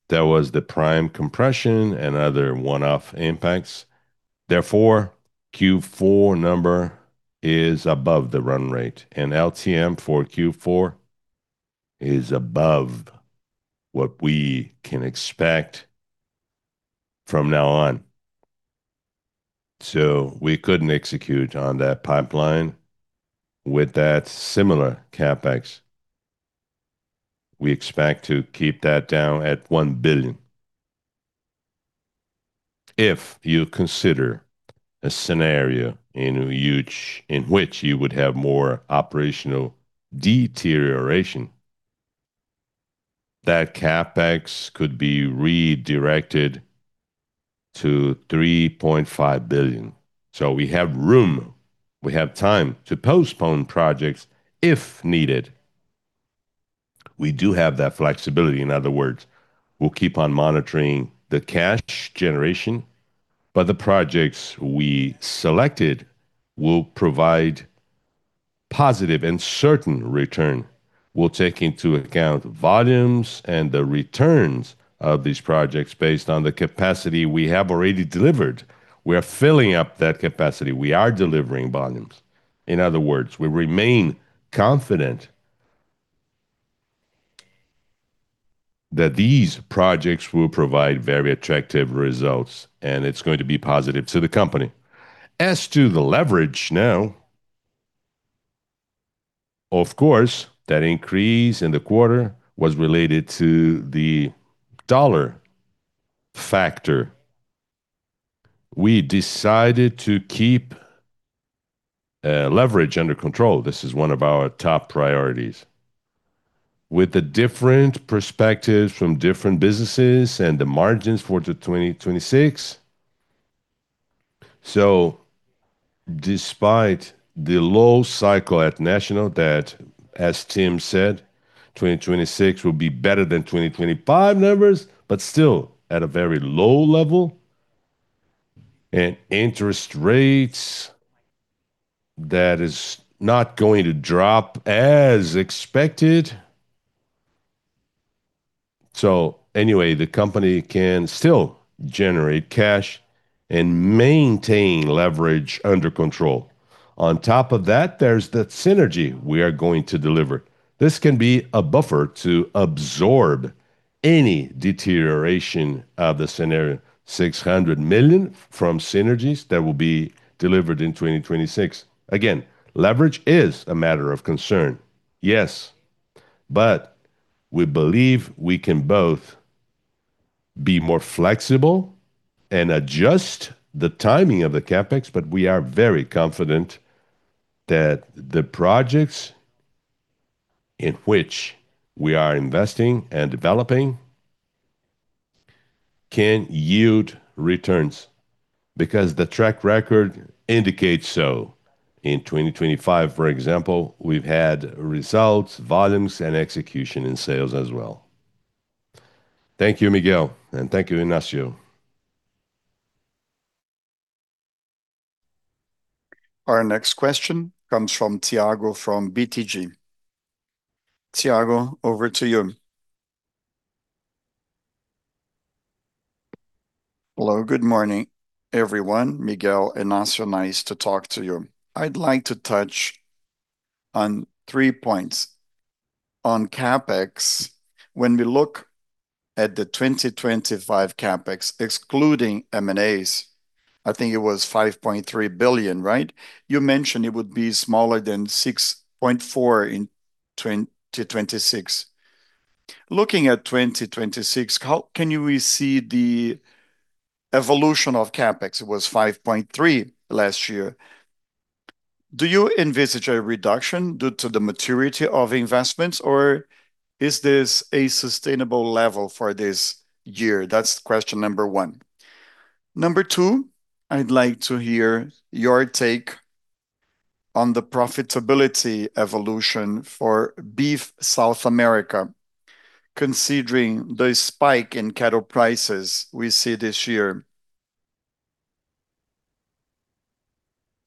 That was the price compression and other one-off impacts. Therefore, Q4 number is above the run rate, and LTM for Q4 is above what we can expect from now on. We couldn't execute on that pipeline with that similar CapEx. We expect to keep that down at 1 billion. If you consider a scenario in which you would have more operational deterioration, that CapEx could be reduced to 3.5 billion. We have room, we have time to postpone projects if needed. We do have that flexibility. In other words, we'll keep on monitoring the cash generation, but the projects we selected will provide positive and certain return. We'll take into account volumes and the returns of these projects based on the capacity we have already delivered. We are filling up that capacity. We are delivering volumes. In other words, we remain confident. That these projects will provide very attractive results, and it's going to be positive to the company. As to the leverage now, of course, that increase in the quarter was related to the dollar factor. We decided to keep leverage under control. This is one of our top priorities. With the different perspectives from different businesses and the margins for the 2026. Despite the low cycle at National that, as Tim said, 2026 will be better than 2025 numbers, but still at a very low level. Interest rates that is not going to drop as expected. Anyway, the company can still generate cash and maintain leverage under control. On top of that, there's the synergy we are going to deliver. This can be a buffer to absorb any deterioration of the scenario. 600 million from synergies that will be delivered in 2026. Again, leverage is a matter of concern, yes. We believe we can both be more flexible and adjust the timing of the CapEx, but we are very confident that the projects in which we are investing and developing can yield returns because the track record indicates so. In 2025, for example, we've had results, volumes and execution in sales as well. Thank you, Miguel, and thank you, Inácio. Our next question comes from Thiago from BTG Pactual. Thiago, over to you. Hello, good morning, everyone. Miguel and Inácio, nice to talk to you. I'd like to touch on three points. On CapEx, when we look at the 2025 CapEx, excluding M&As, I think it was 5.3 billion, right? You mentioned it would be smaller than 6.4 billion in 2025 to 2026. Looking at 2026, how can we see the evolution of CapEx? It was 5.3 billion last year. Do you envisage a reduction due to the maturity of investments or is this a sustainable level for this year? That's question number one. Number two, I'd like to hear your take on the profitability evolution for Beef South America, considering the spike in cattle prices we see this year.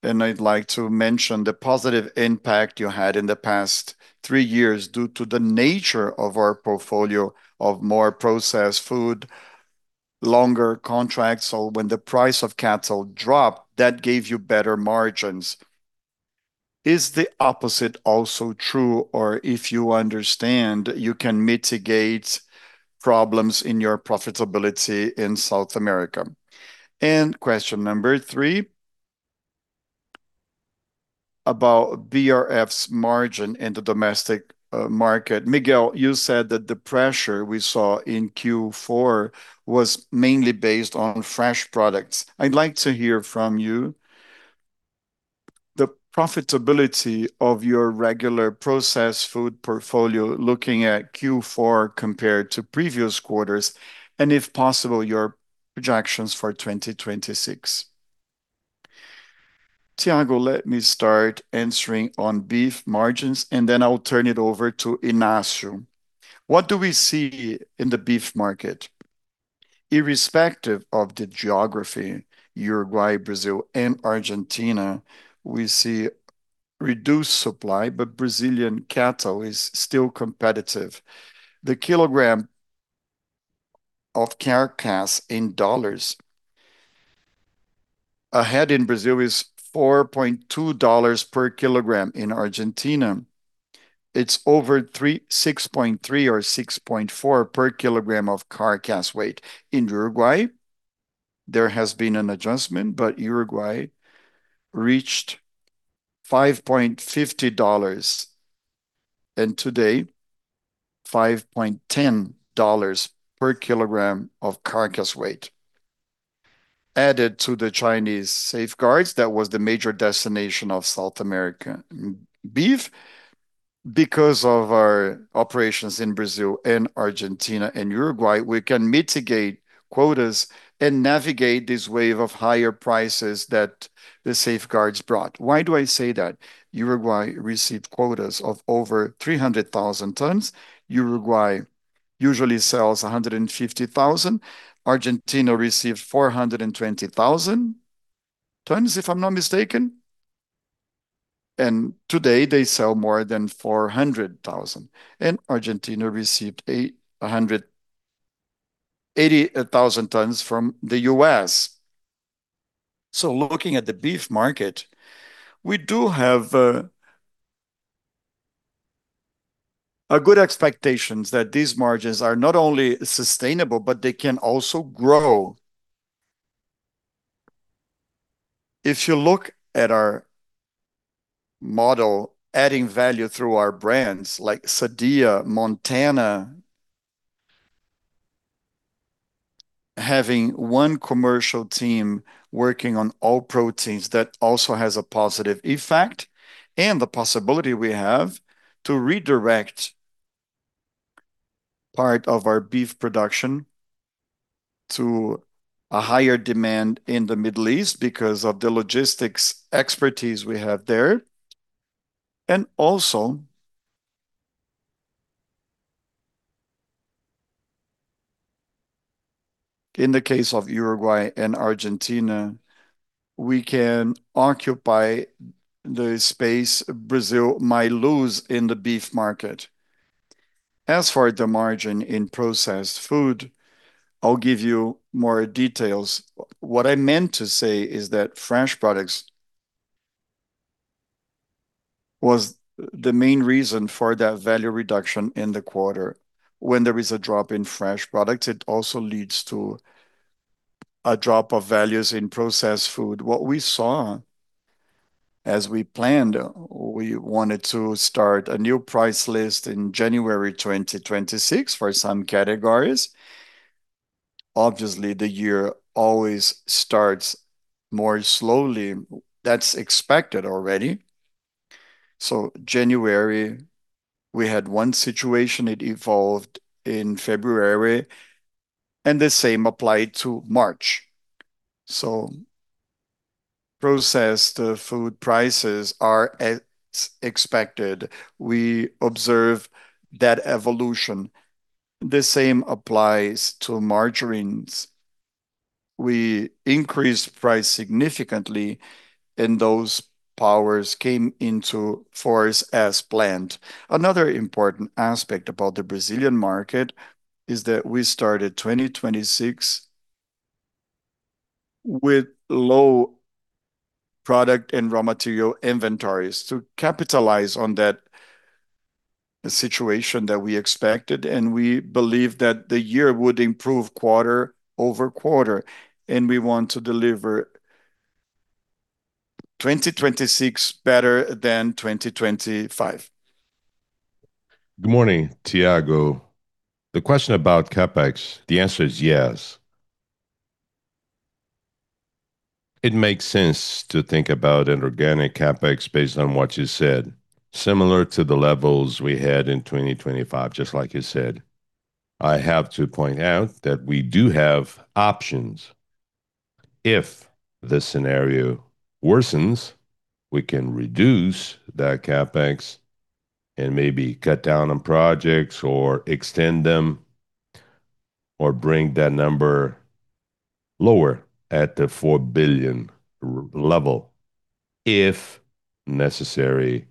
I'd like to mention the positive impact you had in the past three years due to the nature of our portfolio of more processed food, longer contracts. When the price of cattle dropped, that gave you better margins. Is the opposite also true or if you understand, you can mitigate problems in your profitability in South America? Question number three about BRF's margin in the domestic market. Miguel, you said that the pressure we saw in Q4 was mainly based on fresh products. I'd like to hear from you the profitability of your regular processed food portfolio looking at Q4 compared to previous quarters and, if possible, your projections for 2026. Thiago, let me start answering on beef margins, and then I will turn it over to Inácio. What do we see in the beef market? Irrespective of the geography, Uruguay, Brazil and Argentina, we see reduced supply, but Brazilian cattle is still competitive. The kilogram of carcass in dollars a head in Brazil is $4.2 per kilogram. In Argentina, it's over 6.3 or 6.4 per kilogram of carcass weight. In Uruguay, there has been an adjustment, but Uruguay reached $5.50 and today $5.10 per kilogram of carcass weight. In addition to the Chinese safeguards, that was the major destination of South American beef. Because of our operations in Brazil and Argentina and Uruguay, we can mitigate quotas and navigate this wave of higher prices that the safeguards brought. Why do I say that? Uruguay received quotas of over 300,000 tons. Uruguay usually sells 150,000. Argentina received 420,000 tons, if I'm not mistaken, and today they sell more than 400,000. Argentina received 80,000 tons from the U.S. Looking at the beef market, we do have a good expectations that these margins are not only sustainable, but they can also grow. If you look at our model adding value through our brands like Sadia, Montana, having one commercial team working on all proteins, that also has a positive effect, and the possibility we have to redirect part of our beef production to a higher demand in the Middle East because of the logistics expertise we have there. Also, in the case of Uruguay and Argentina, we can occupy the space Brazil might lose in the beef market. As for the margin in processed food, I'll give you more details. What I meant to say is that fresh products was the main reason for that value reduction in the quarter. When there is a drop in fresh products, it also leads to a drop of values in processed food. What we saw as we planned, we wanted to start a new price list in January 2026 for some categories. Obviously, the year always starts more slowly. That's expected already. January, we had one situation, it evolved in February, and the same applied to March. Processed food prices are as expected. We observe that evolution. The same applies to margarines. We increased price significantly, and those prices came into force as planned. Another important aspect about the Brazilian market is that we started 2026 with low product and raw material inventories to capitalize on that situation that we expected, and we believe that the year would improve quarter-over-quarter, and we want to deliver 2026 better than 2025. Good morning, Thiago. The question about CapEx, the answer is yes. It makes sense to think about an organic CapEx based on what you said, similar to the levels we had in 2025, just like you said. I have to point out that we do have options. If the scenario worsens, we can reduce that CapEx and maybe cut down on projects or extend them or bring that number lower at the 4 billion level if necessary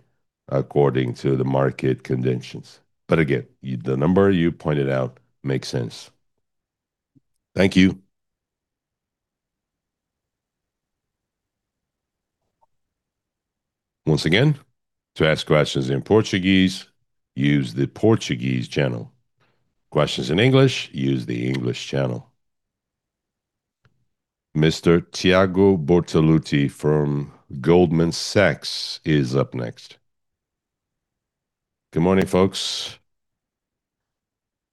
according to the market conditions. Again, the number you pointed out makes sense. Thank you. Once again, to ask questions in Portuguese, use the Portuguese channel. Questions in English, use the English channel. Mr. Thiago Bortolotti from Goldman Sachs is up next. Good morning, folks.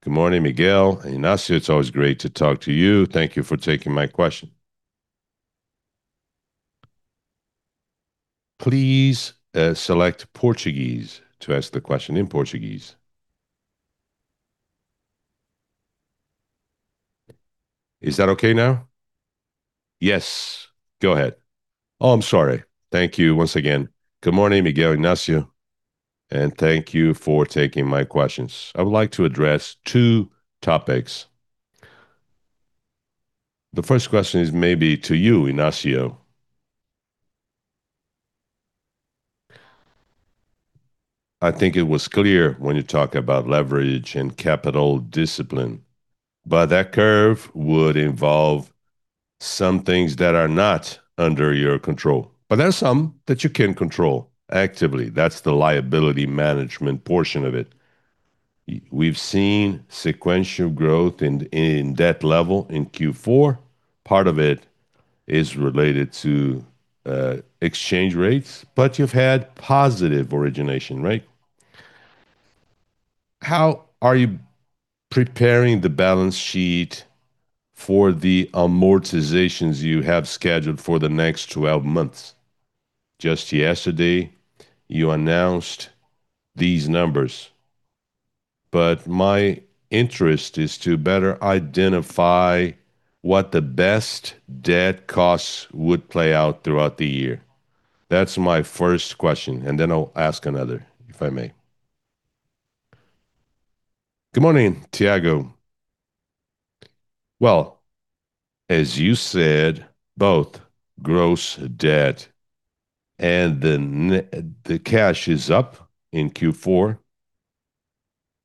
Good morning, Miguel. Inácio, it's always great to talk to you. Thank you for taking my question. Please, select Portuguese to ask the question in Portuguese. Is that okay now? Yes, go ahead. Oh, I'm sorry. Thank you once again. Good morning, Miguel, Inácio, and thank you for taking my questions. I would like to address two topics. The first question is maybe to you, Inácio. I think it was clear when you talk about leverage and capital discipline, but that curve would involve some things that are not under your control, but there are some that you can control actively. That's the liability management portion of it. We've seen sequential growth in debt level in Q4. Part of it is related to exchange rates, but you've had positive origination, right? How are you preparing the balance sheet for the amortizations you have scheduled for the next 12 months? Just yesterday, you announced these numbers, but my interest is to better identify what the best debt costs would play out throughout the year. That's my first question, and then I'll ask another, if I may. Good morning, Thiago. Well, as you said, both gross debt and the cash is up in Q4.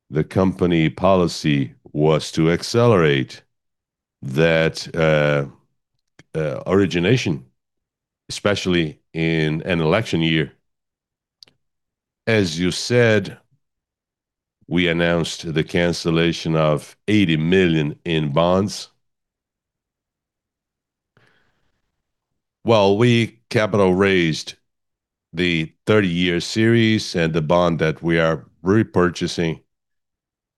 The company policy was to accelerate that, origination, especially in an election year. As you said, we announced the cancellation of $80 million in bonds. Well, we capital raised the 30-year series and the bond that we are repurchasing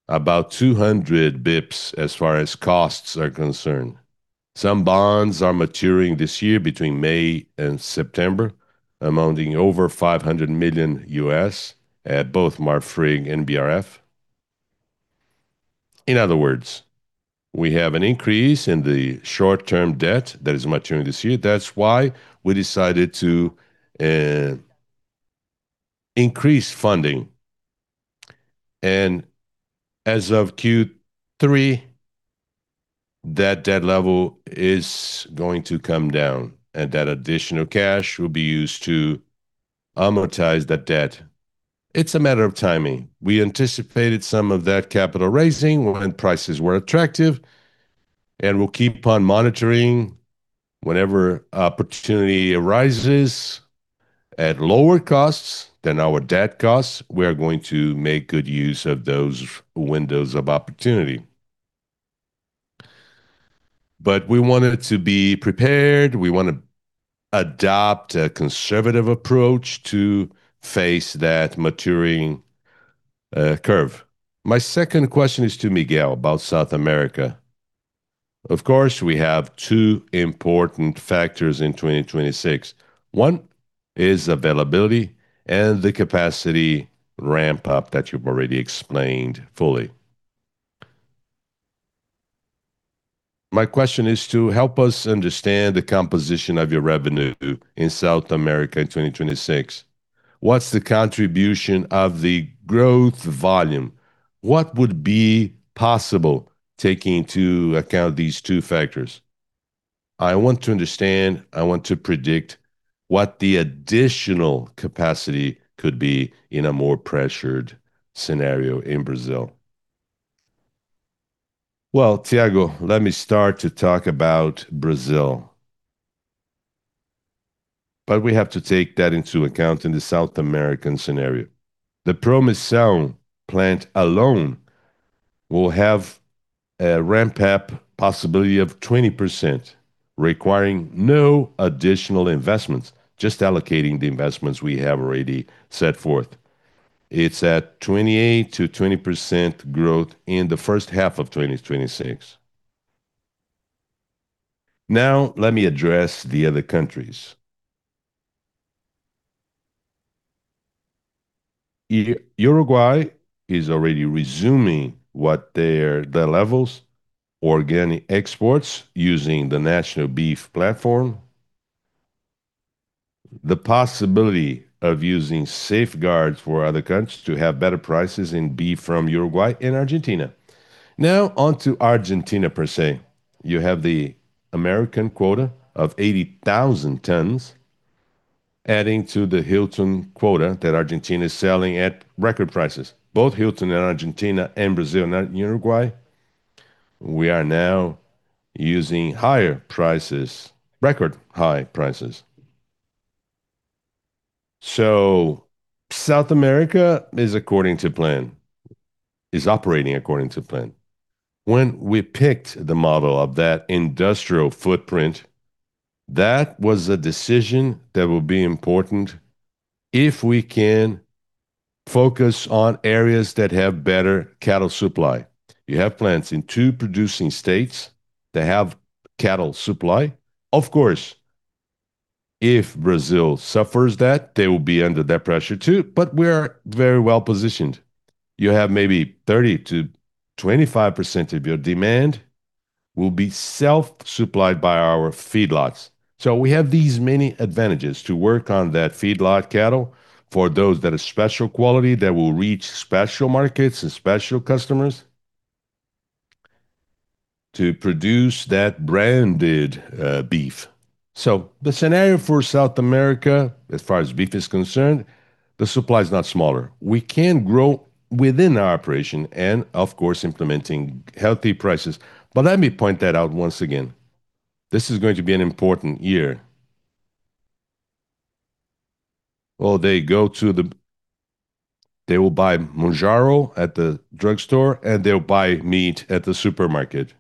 about 200 bps as far as costs are concerned. Some bonds are maturing this year between May and September, amounting over $500 million USD at both Marfrig and BRF. In other words, we have an increase in the short-term debt that is maturing this year. That's why we decided to increase funding. As of Q3, that debt level is going to come down, and that additional cash will be used to amortize that debt. It's a matter of timing. We anticipated some of that capital raising when prices were attractive, and we'll keep on monitoring whenever opportunity arises at lower costs than our debt costs. We are going to make good use of those windows of opportunity. But we wanted to be prepared. We want to adopt a conservative approach to face that maturing curve. My second question is to Miguel about South America. Of course, we have two important factors in 2026. One is availability and the capacity ramp-up that you've already explained fully. My question is to help us understand the composition of your revenue in South America in 2026. What's the contribution of the growth volume? What would be possible taking into account these two factors? I want to understand. I want to predict what the additional capacity could be in a more pressured scenario in Brazil. Well, Tiago, let me start to talk about Brazil. We have to take that into account in the South American scenario. The Promissão plant alone will have a ramp-up possibility of 20%, requiring no additional investments, just allocating the investments we have already set forth. It's at 28%-20% growth in the first half of 2026. Now, let me address the other countries. Uruguay is already resuming what their levels organic exports using the national beef platform. The possibility of using safeguards for other countries to have better prices in beef from Uruguay and Argentina. Now, on to Argentina per se. You have the American quota of 80,000 tons adding to the Hilton Quota that Argentina is selling at record prices. Both Hilton Quota and Argentina and Brazil, not Uruguay, we are now using higher prices, record high prices. South America is according to plan, is operating according to plan. When we picked the model of that industrial footprint, that was a decision that will be important if we can focus on areas that have better cattle supply. You have plants in two producing states that have cattle supply. Of course, if Brazil suffers that, they will be under that pressure too, but we are very well-positioned. You have maybe 30%-25% of your demand will be self-supplied by our feedlots. We have these many advantages to work on that feedlot cattle for those that are special quality, that will reach special markets and special customers to produce that branded beef. The scenario for South America, as far as beef is concerned, the supply is not smaller. We can grow within our operation and of course, implementing healthy prices. Let me point that out once again. This is going to be an important year. Well, they will buy Mounjaro at the drugstore, and they'll buy meat at the supermarket.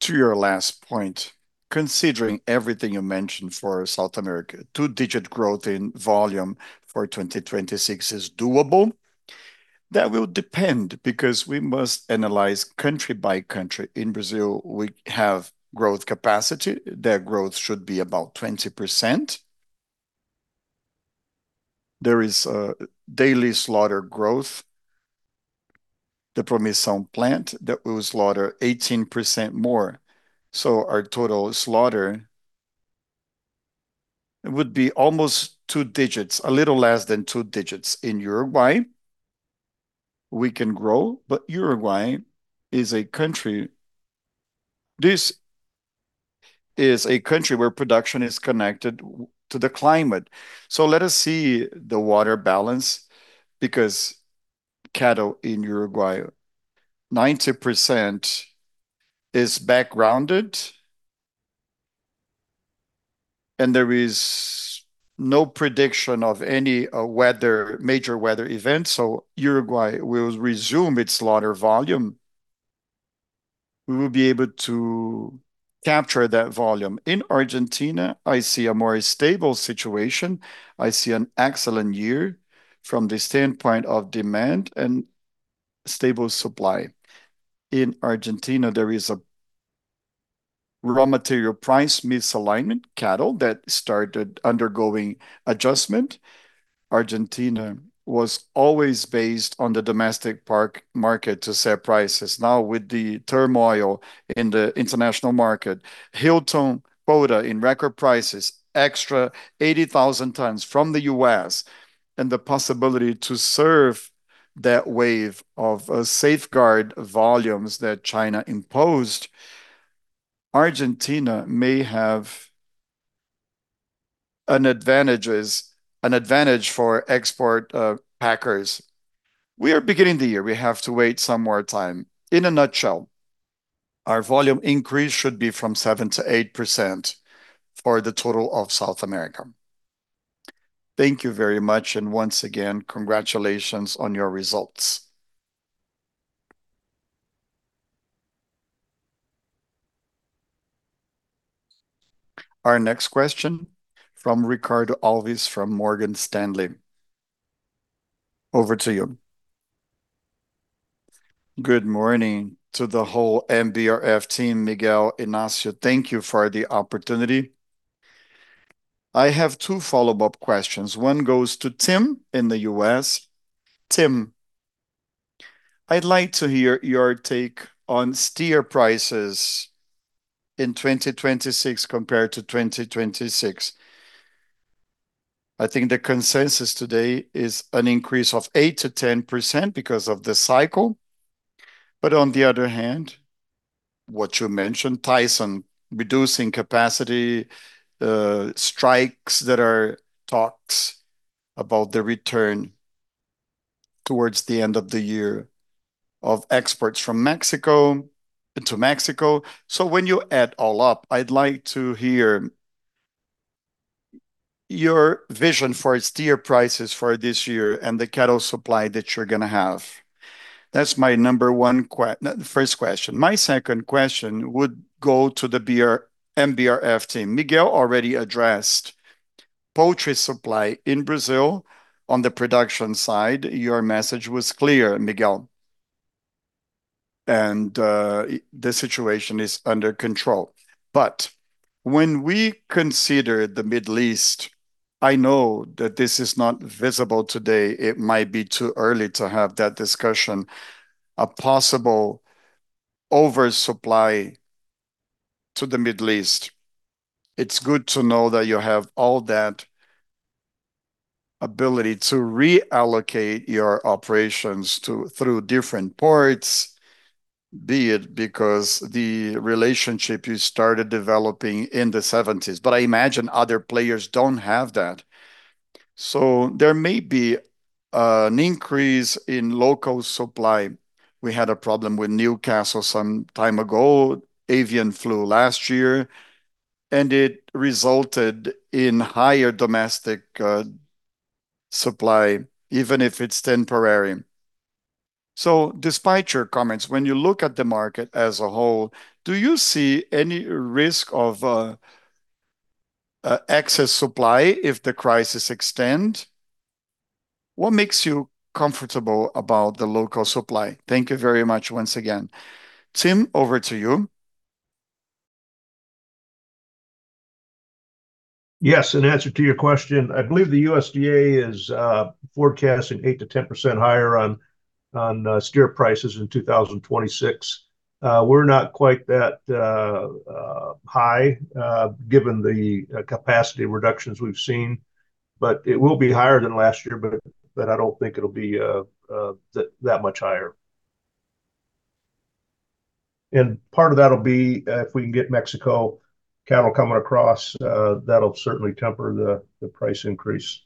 To your last point, considering everything you mentioned for South America, two-digit growth in volume for 2026 is doable. That will depend because we must analyze country by country. In Brazil, we have growth capacity. That growth should be about 20%. There is a daily slaughter growth. The Promissão plant that will slaughter 18% more. Our total slaughter would be almost two digits, a little less than two digits. In Uruguay, we can grow, but Uruguay is a country. This is a country where production is connected to the climate. Let us see the water balance, because cattle in Uruguay, 90% is backgrounded, and there is no prediction of any weather, major weather events, so Uruguay will resume its slaughter volume. We will be able to capture that volume. In Argentina, I see a more stable situation. I see an excellent year from the standpoint of demand and stable supply. In Argentina, there is a raw material price misalignment, cattle that started undergoing adjustment. Argentina was always based on the domestic market to set prices. Now, with the turmoil in the international market, Hilton Quota in record prices, extra 80,000 tons from the U.S., and the possibility to serve that wave of safeguard volumes that China imposed, Argentina may have an advantage for export packers. We are beginning the year. We have to wait some more time. In a nutshell, our volume increase should be 7%-8% for the total of South America. Thank you very much, and once again, congratulations on your results. Our next question from Ricardo Alves from Morgan Stanley. Over to you. Good morning to the whole MBRF team. Miguel, Inácio, thank you for the opportunity. I have two follow-up questions. One goes to Tim in the U.S.. Tim, I'd like to hear your take on steer prices in 2026 compared to 2026. I think the consensus today is an increase of 8%-10% because of the cycle. On the other hand, what you mentioned, Tyson reducing capacity, strikes that are talks about the return towards the end of the year of exports from Mexico, into Mexico. When you add all up, I'd like to hear your vision for steer prices for this year and the cattle supply that you're gonna have. That's my number one, the first question. My second question would go to the BRF team. Miguel already addressed poultry supply in Brazil. On the production side, your message was clear, Miguel, and the situation is under control. When we consider the Middle East, I know that this is not visible today. It might be too early to have that discussion, a possible oversupply to the Middle East. It's good to know that you have all that ability to reallocate your operations through different ports, be it because the relationship you started developing in the 1970s. I imagine other players don't have that. There may be an increase in local supply. We had a problem with Newcastle some time ago, avian flu last year, and it resulted in higher domestic supply, even if it's temporary. Despite your comments, when you look at the market as a whole, do you see any risk of excess supply if the crisis extend? What makes you comfortable about the local supply? Thank you very much once again. Tim, over to you. Yes. In answer to your question, I believe the USDA is forecasting 8%-10% higher on steer prices in 2026. We're not quite that high, given the capacity reductions we've seen. It will be higher than last year, but I don't think it'll be that much higher. Part of that'll be if we can get Mexico cattle coming across, that'll certainly temper the price increase.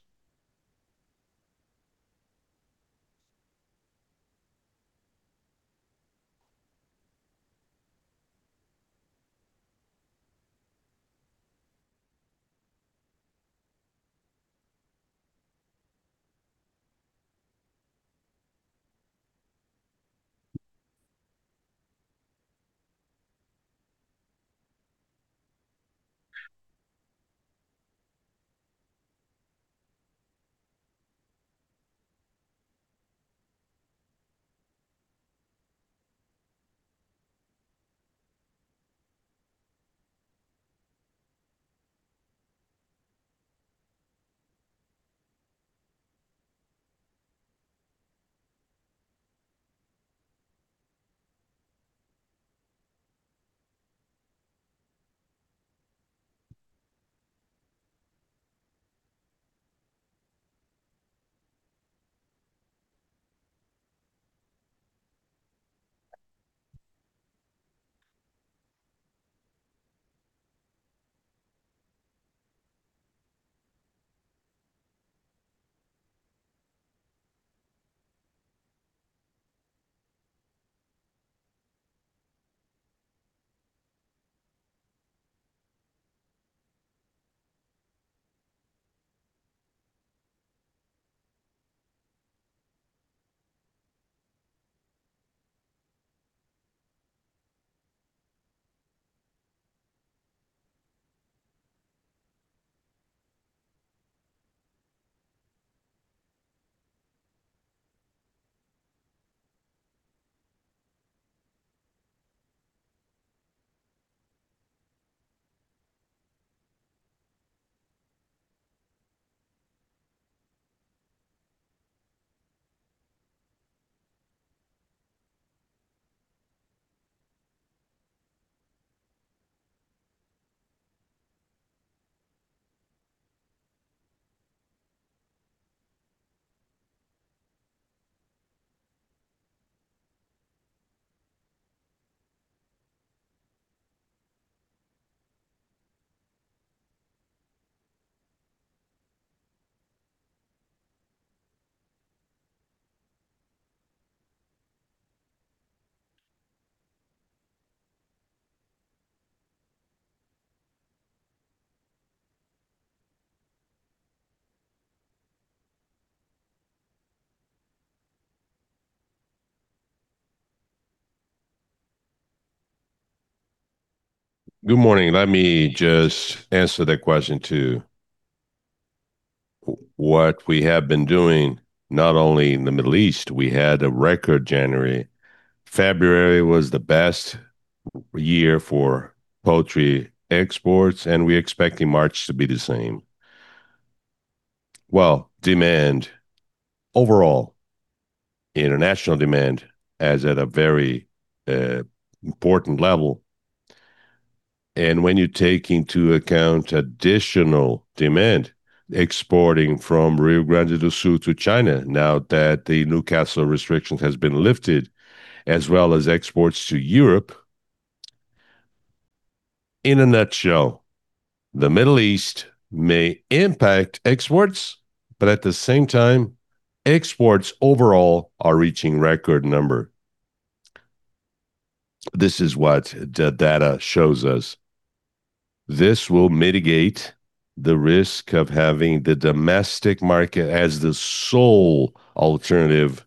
Good morning. Let me just answer that question, too. What we have been doing, not only in the Middle East, we had a record January. February was the best year for poultry exports, and we're expecting March to be the same. Well, demand. Overall, international demand is at a very important level. When you take into account additional demand exporting from Rio Grande do Sul to China now that the Newcastle restriction has been lifted, as well as exports to Europe, in a nutshell, the Middle East may impact exports, but at the same time, exports overall are reaching record number. This is what the data shows us. This will mitigate the risk of having the domestic market as the sole alternative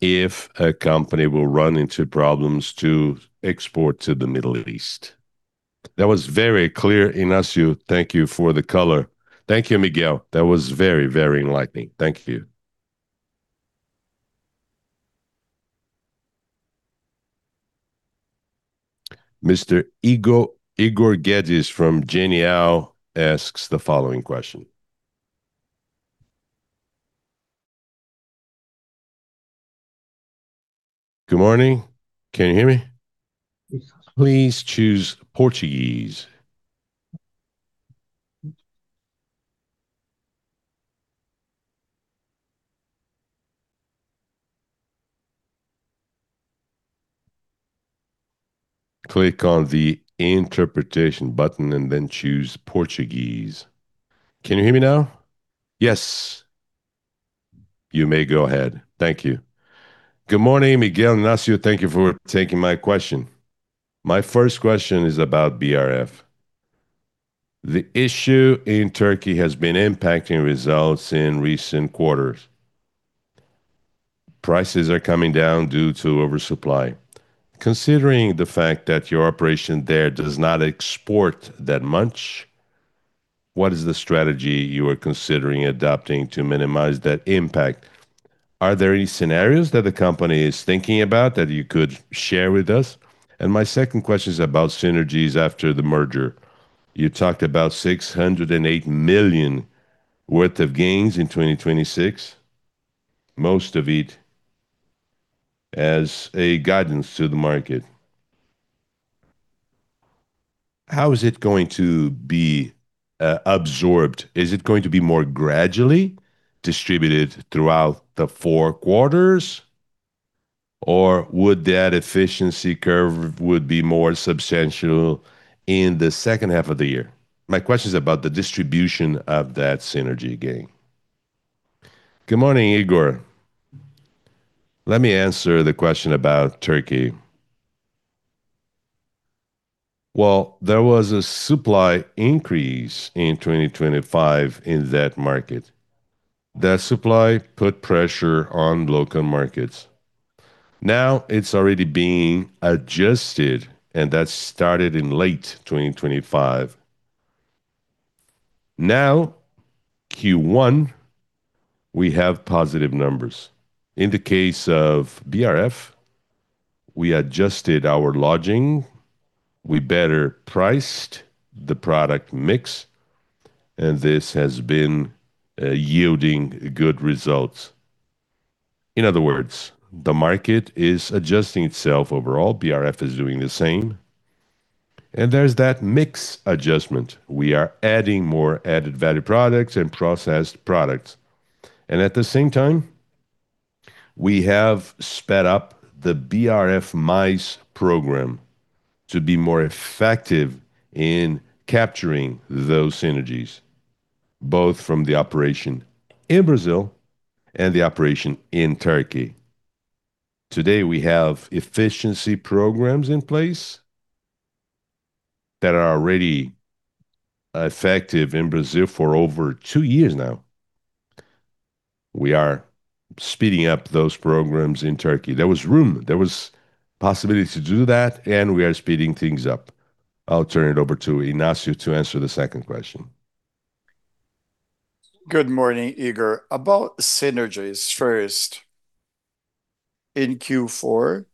if a company will run into problems to export to the Middle East. That was very clear, Inácio. Thank you for the color. Thank you, Miguel. That was very, very enlightening. Thank you. Mr. Igor Guedes from Genial asks the following question. Good morning. Can you hear me? Yes. Please choose Portuguese. Click on the interpretation button and then choose Portuguese. Can you hear me now? Yes. You may go ahead. Thank you. Good morning, Miguel and Inácio. Thank you for taking my question. My first question is about BRF. The issue in Turkey has been impacting results in recent quarters. Prices are coming down due to oversupply. Considering the fact that your operation there does not export that much, what is the strategy you are considering adopting to minimize that impact? Are there any scenarios that the company is thinking about that you could share with us? My second question is about synergies after the merger. You talked about 608 million worth of gains in 2026, most of it as a guidance to the market. How is it going to be absorbed? Is it going to be more gradually distributed throughout the four quarters, or would that efficiency curve would be more substantial in the second half of the year? My question is about the distribution of that synergy gain. Good morning, Igor. Let me answer the question about Turkey. Well, there was a supply increase in 2025 in that market. That supply put pressure on local markets. Now it's already being adjusted, and that started in late 2025. Now, Q1, we have positive numbers. In the case of BRF, we adjusted our lodging, we better priced the product mix, and this has been yielding good results. In other words, the market is adjusting itself overall. BRF is doing the same. There's that mix adjustment. We are adding more added-value products and processed products. At the same time, we have sped up the BRF Mais program to be more effective in capturing those synergies, both from the operation in Brazil and the operation in Turkey. Today, we have efficiency programs in place that are already effective in Brazil for over two years now. We are speeding up those programs in Turkey. There was room, there was possibility to do that, and we are speeding things up. I'll turn it over to Inácio to answer the second question. Good morning, Igor. About synergies first. In Q4,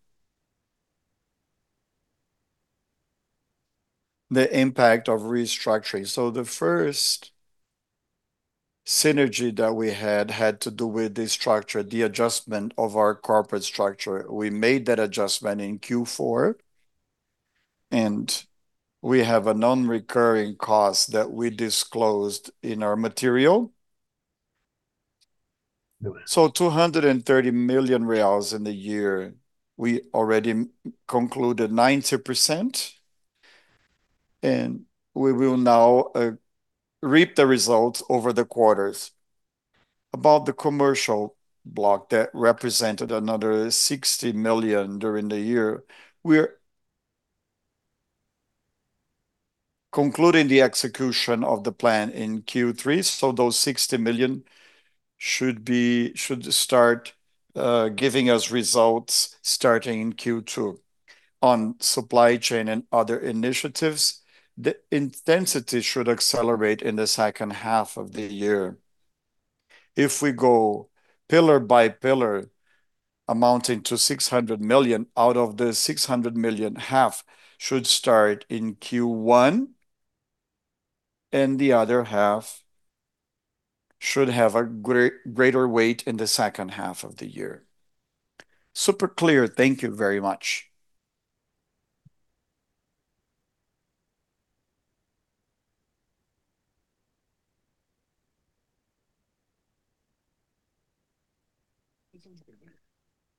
the impact of restructuring. The first synergy that we had to do with the structure, the adjustment of our corporate structure. We made that adjustment in Q4, and we have a non-recurring cost that we disclosed in our material. Do it. 230 million reais in the year, we already concluded 90%, and we will now reap the results over the quarters. About the commercial block that represented another 60 million during the year, we're concluding the execution of the plan in Q3, so those 60 million should start giving us results starting in Q2. On supply chain and other initiatives, the intensity should accelerate in the second half of the year. If we go pillar by pillar, amounting to 600 million, out of the 600 million, half should start in Q1, and the other half should have a greater weight in the second half of the year. Super clear. Thank you very much.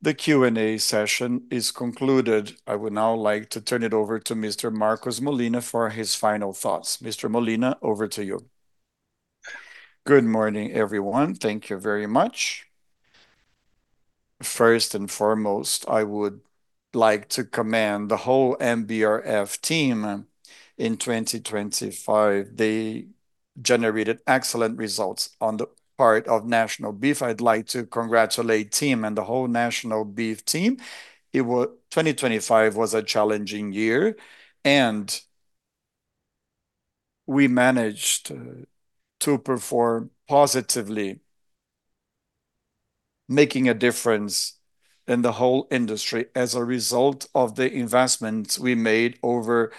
The Q&A session is concluded. I would now like to turn it over to Mr. Marcos Molina for his final thoughts. Mr. Molina, over to you. Good morning, everyone. Thank you very much. First and foremost, I would like to commend the whole MBRF team in 2025. They generated excellent results on the part of National Beef. I'd like to congratulate team and the whole National Beef team. 2025 was a challenging year, and we managed to perform positively, making a difference in the whole industry as a result of the investments we made over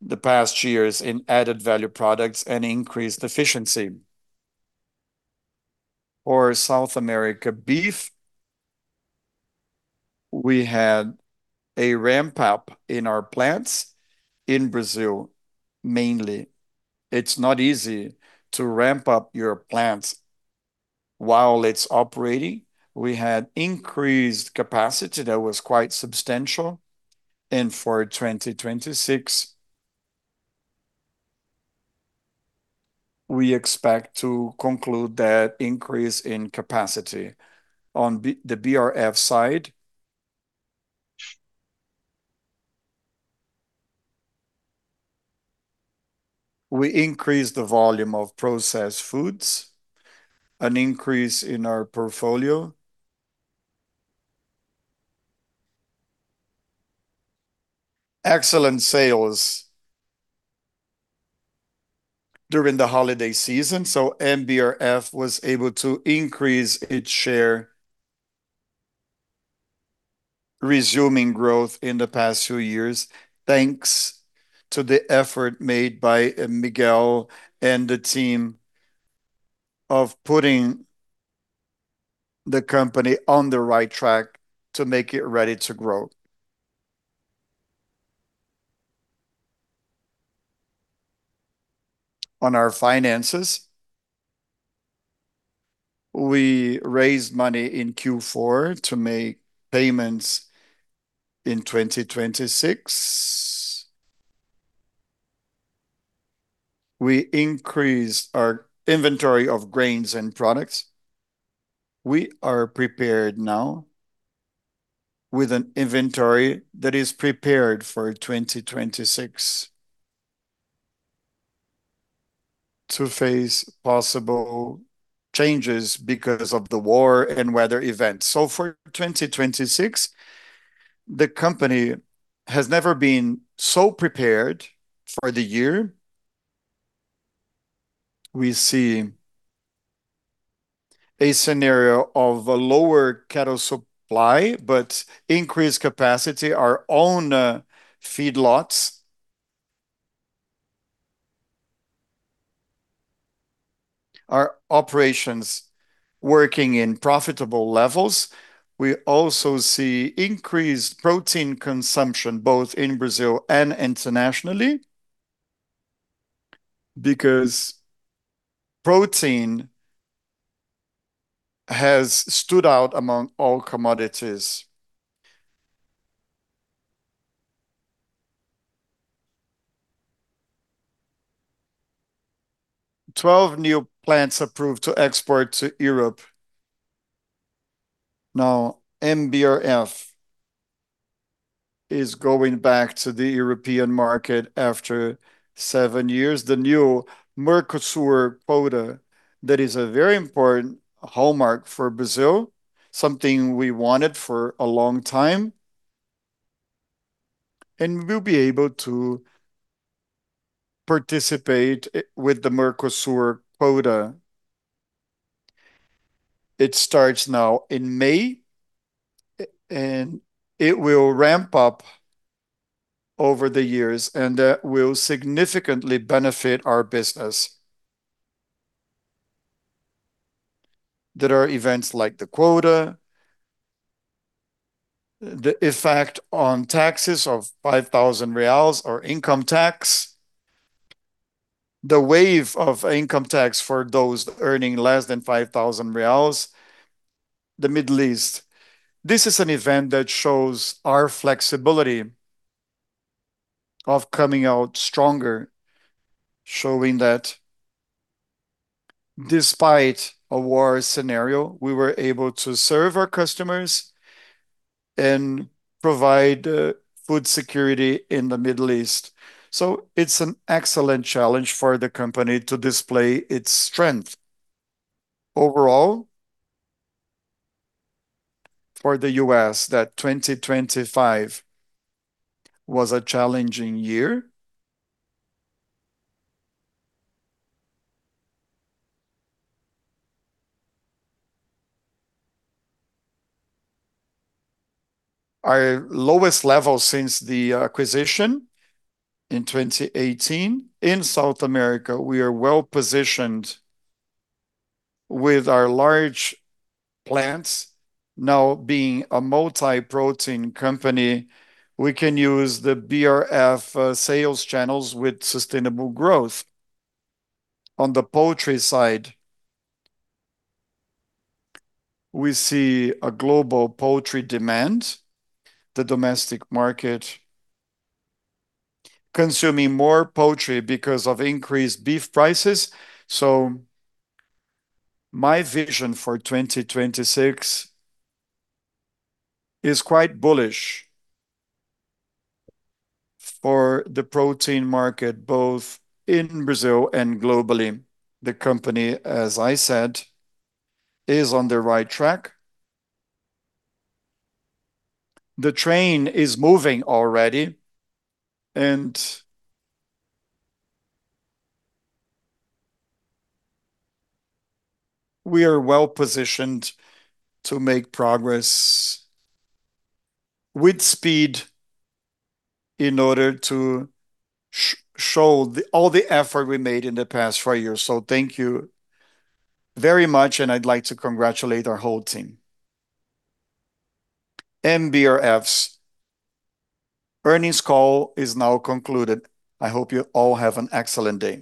the past years in added-value products and increased efficiency. For South America Beef, we had a ramp-up in our plants in Brazil, mainly. It's not easy to ramp up your plants while it's operating. We had increased capacity that was quite substantial. For 2026, we expect to conclude that increase in capacity. On the BRF side, we increased the volume of processed foods, an increase in our portfolio. Excellent sales during the holiday season, so BRF was able to increase its share, resuming growth in the past few years, thanks to the effort made by Miguel and the team of putting the company on the right track to make it ready to grow. On our finances, we raised money in Q4 to make payments in 2026. We increased our inventory of grains and products. We are prepared now with an inventory that is prepared for 2026 to face possible changes because of the war and weather events. For 2026, the company has never been so prepared for the year. We see a scenario of a lower cattle supply but increased capacity. Our own operations working in profitable levels. We also see increased protein consumption both in Brazil and internationally because protein has stood out among all commodities. 12 new plants approved to export to Europe. Now, BRF is going back to the European market after seven years. The new Mercosur quota, that is a very important hallmark for Brazil, something we wanted for a long time, and we'll be able to participate with the Mercosur quota. It starts now in May, and it will ramp up over the years, and that will significantly benefit our business. There are events like the quota, the effect on taxes of 5,000 reais or income tax, the waiver of income tax for those earning less than 5,000 reais. The Middle East, this is an event that shows our flexibility of coming out stronger, showing that despite a war scenario, we were able to serve our customers and provide food security in the Middle East. It's an excellent challenge for the company to display its strength. Overall, for the U.S., that 2025 was a challenging year. Our lowest level since the acquisition in 2018. In South America, we are well-positioned with our large plants now being a multi-protein company. We can use the BRF sales channels with sustainable growth. On the poultry side, we see a global poultry demand, the domestic market consuming more poultry because of increased beef prices. My vision for 2026 is quite bullish for the protein market, both in Brazil and globally. The company, as I said, is on the right track. The train is moving already, and we are well-positioned to make progress with speed in order to show all the effort we made in the past four years. Thank you very much, and I'd like to congratulate our whole team. MBRF's earnings call is now concluded. I hope you all have an excellent day.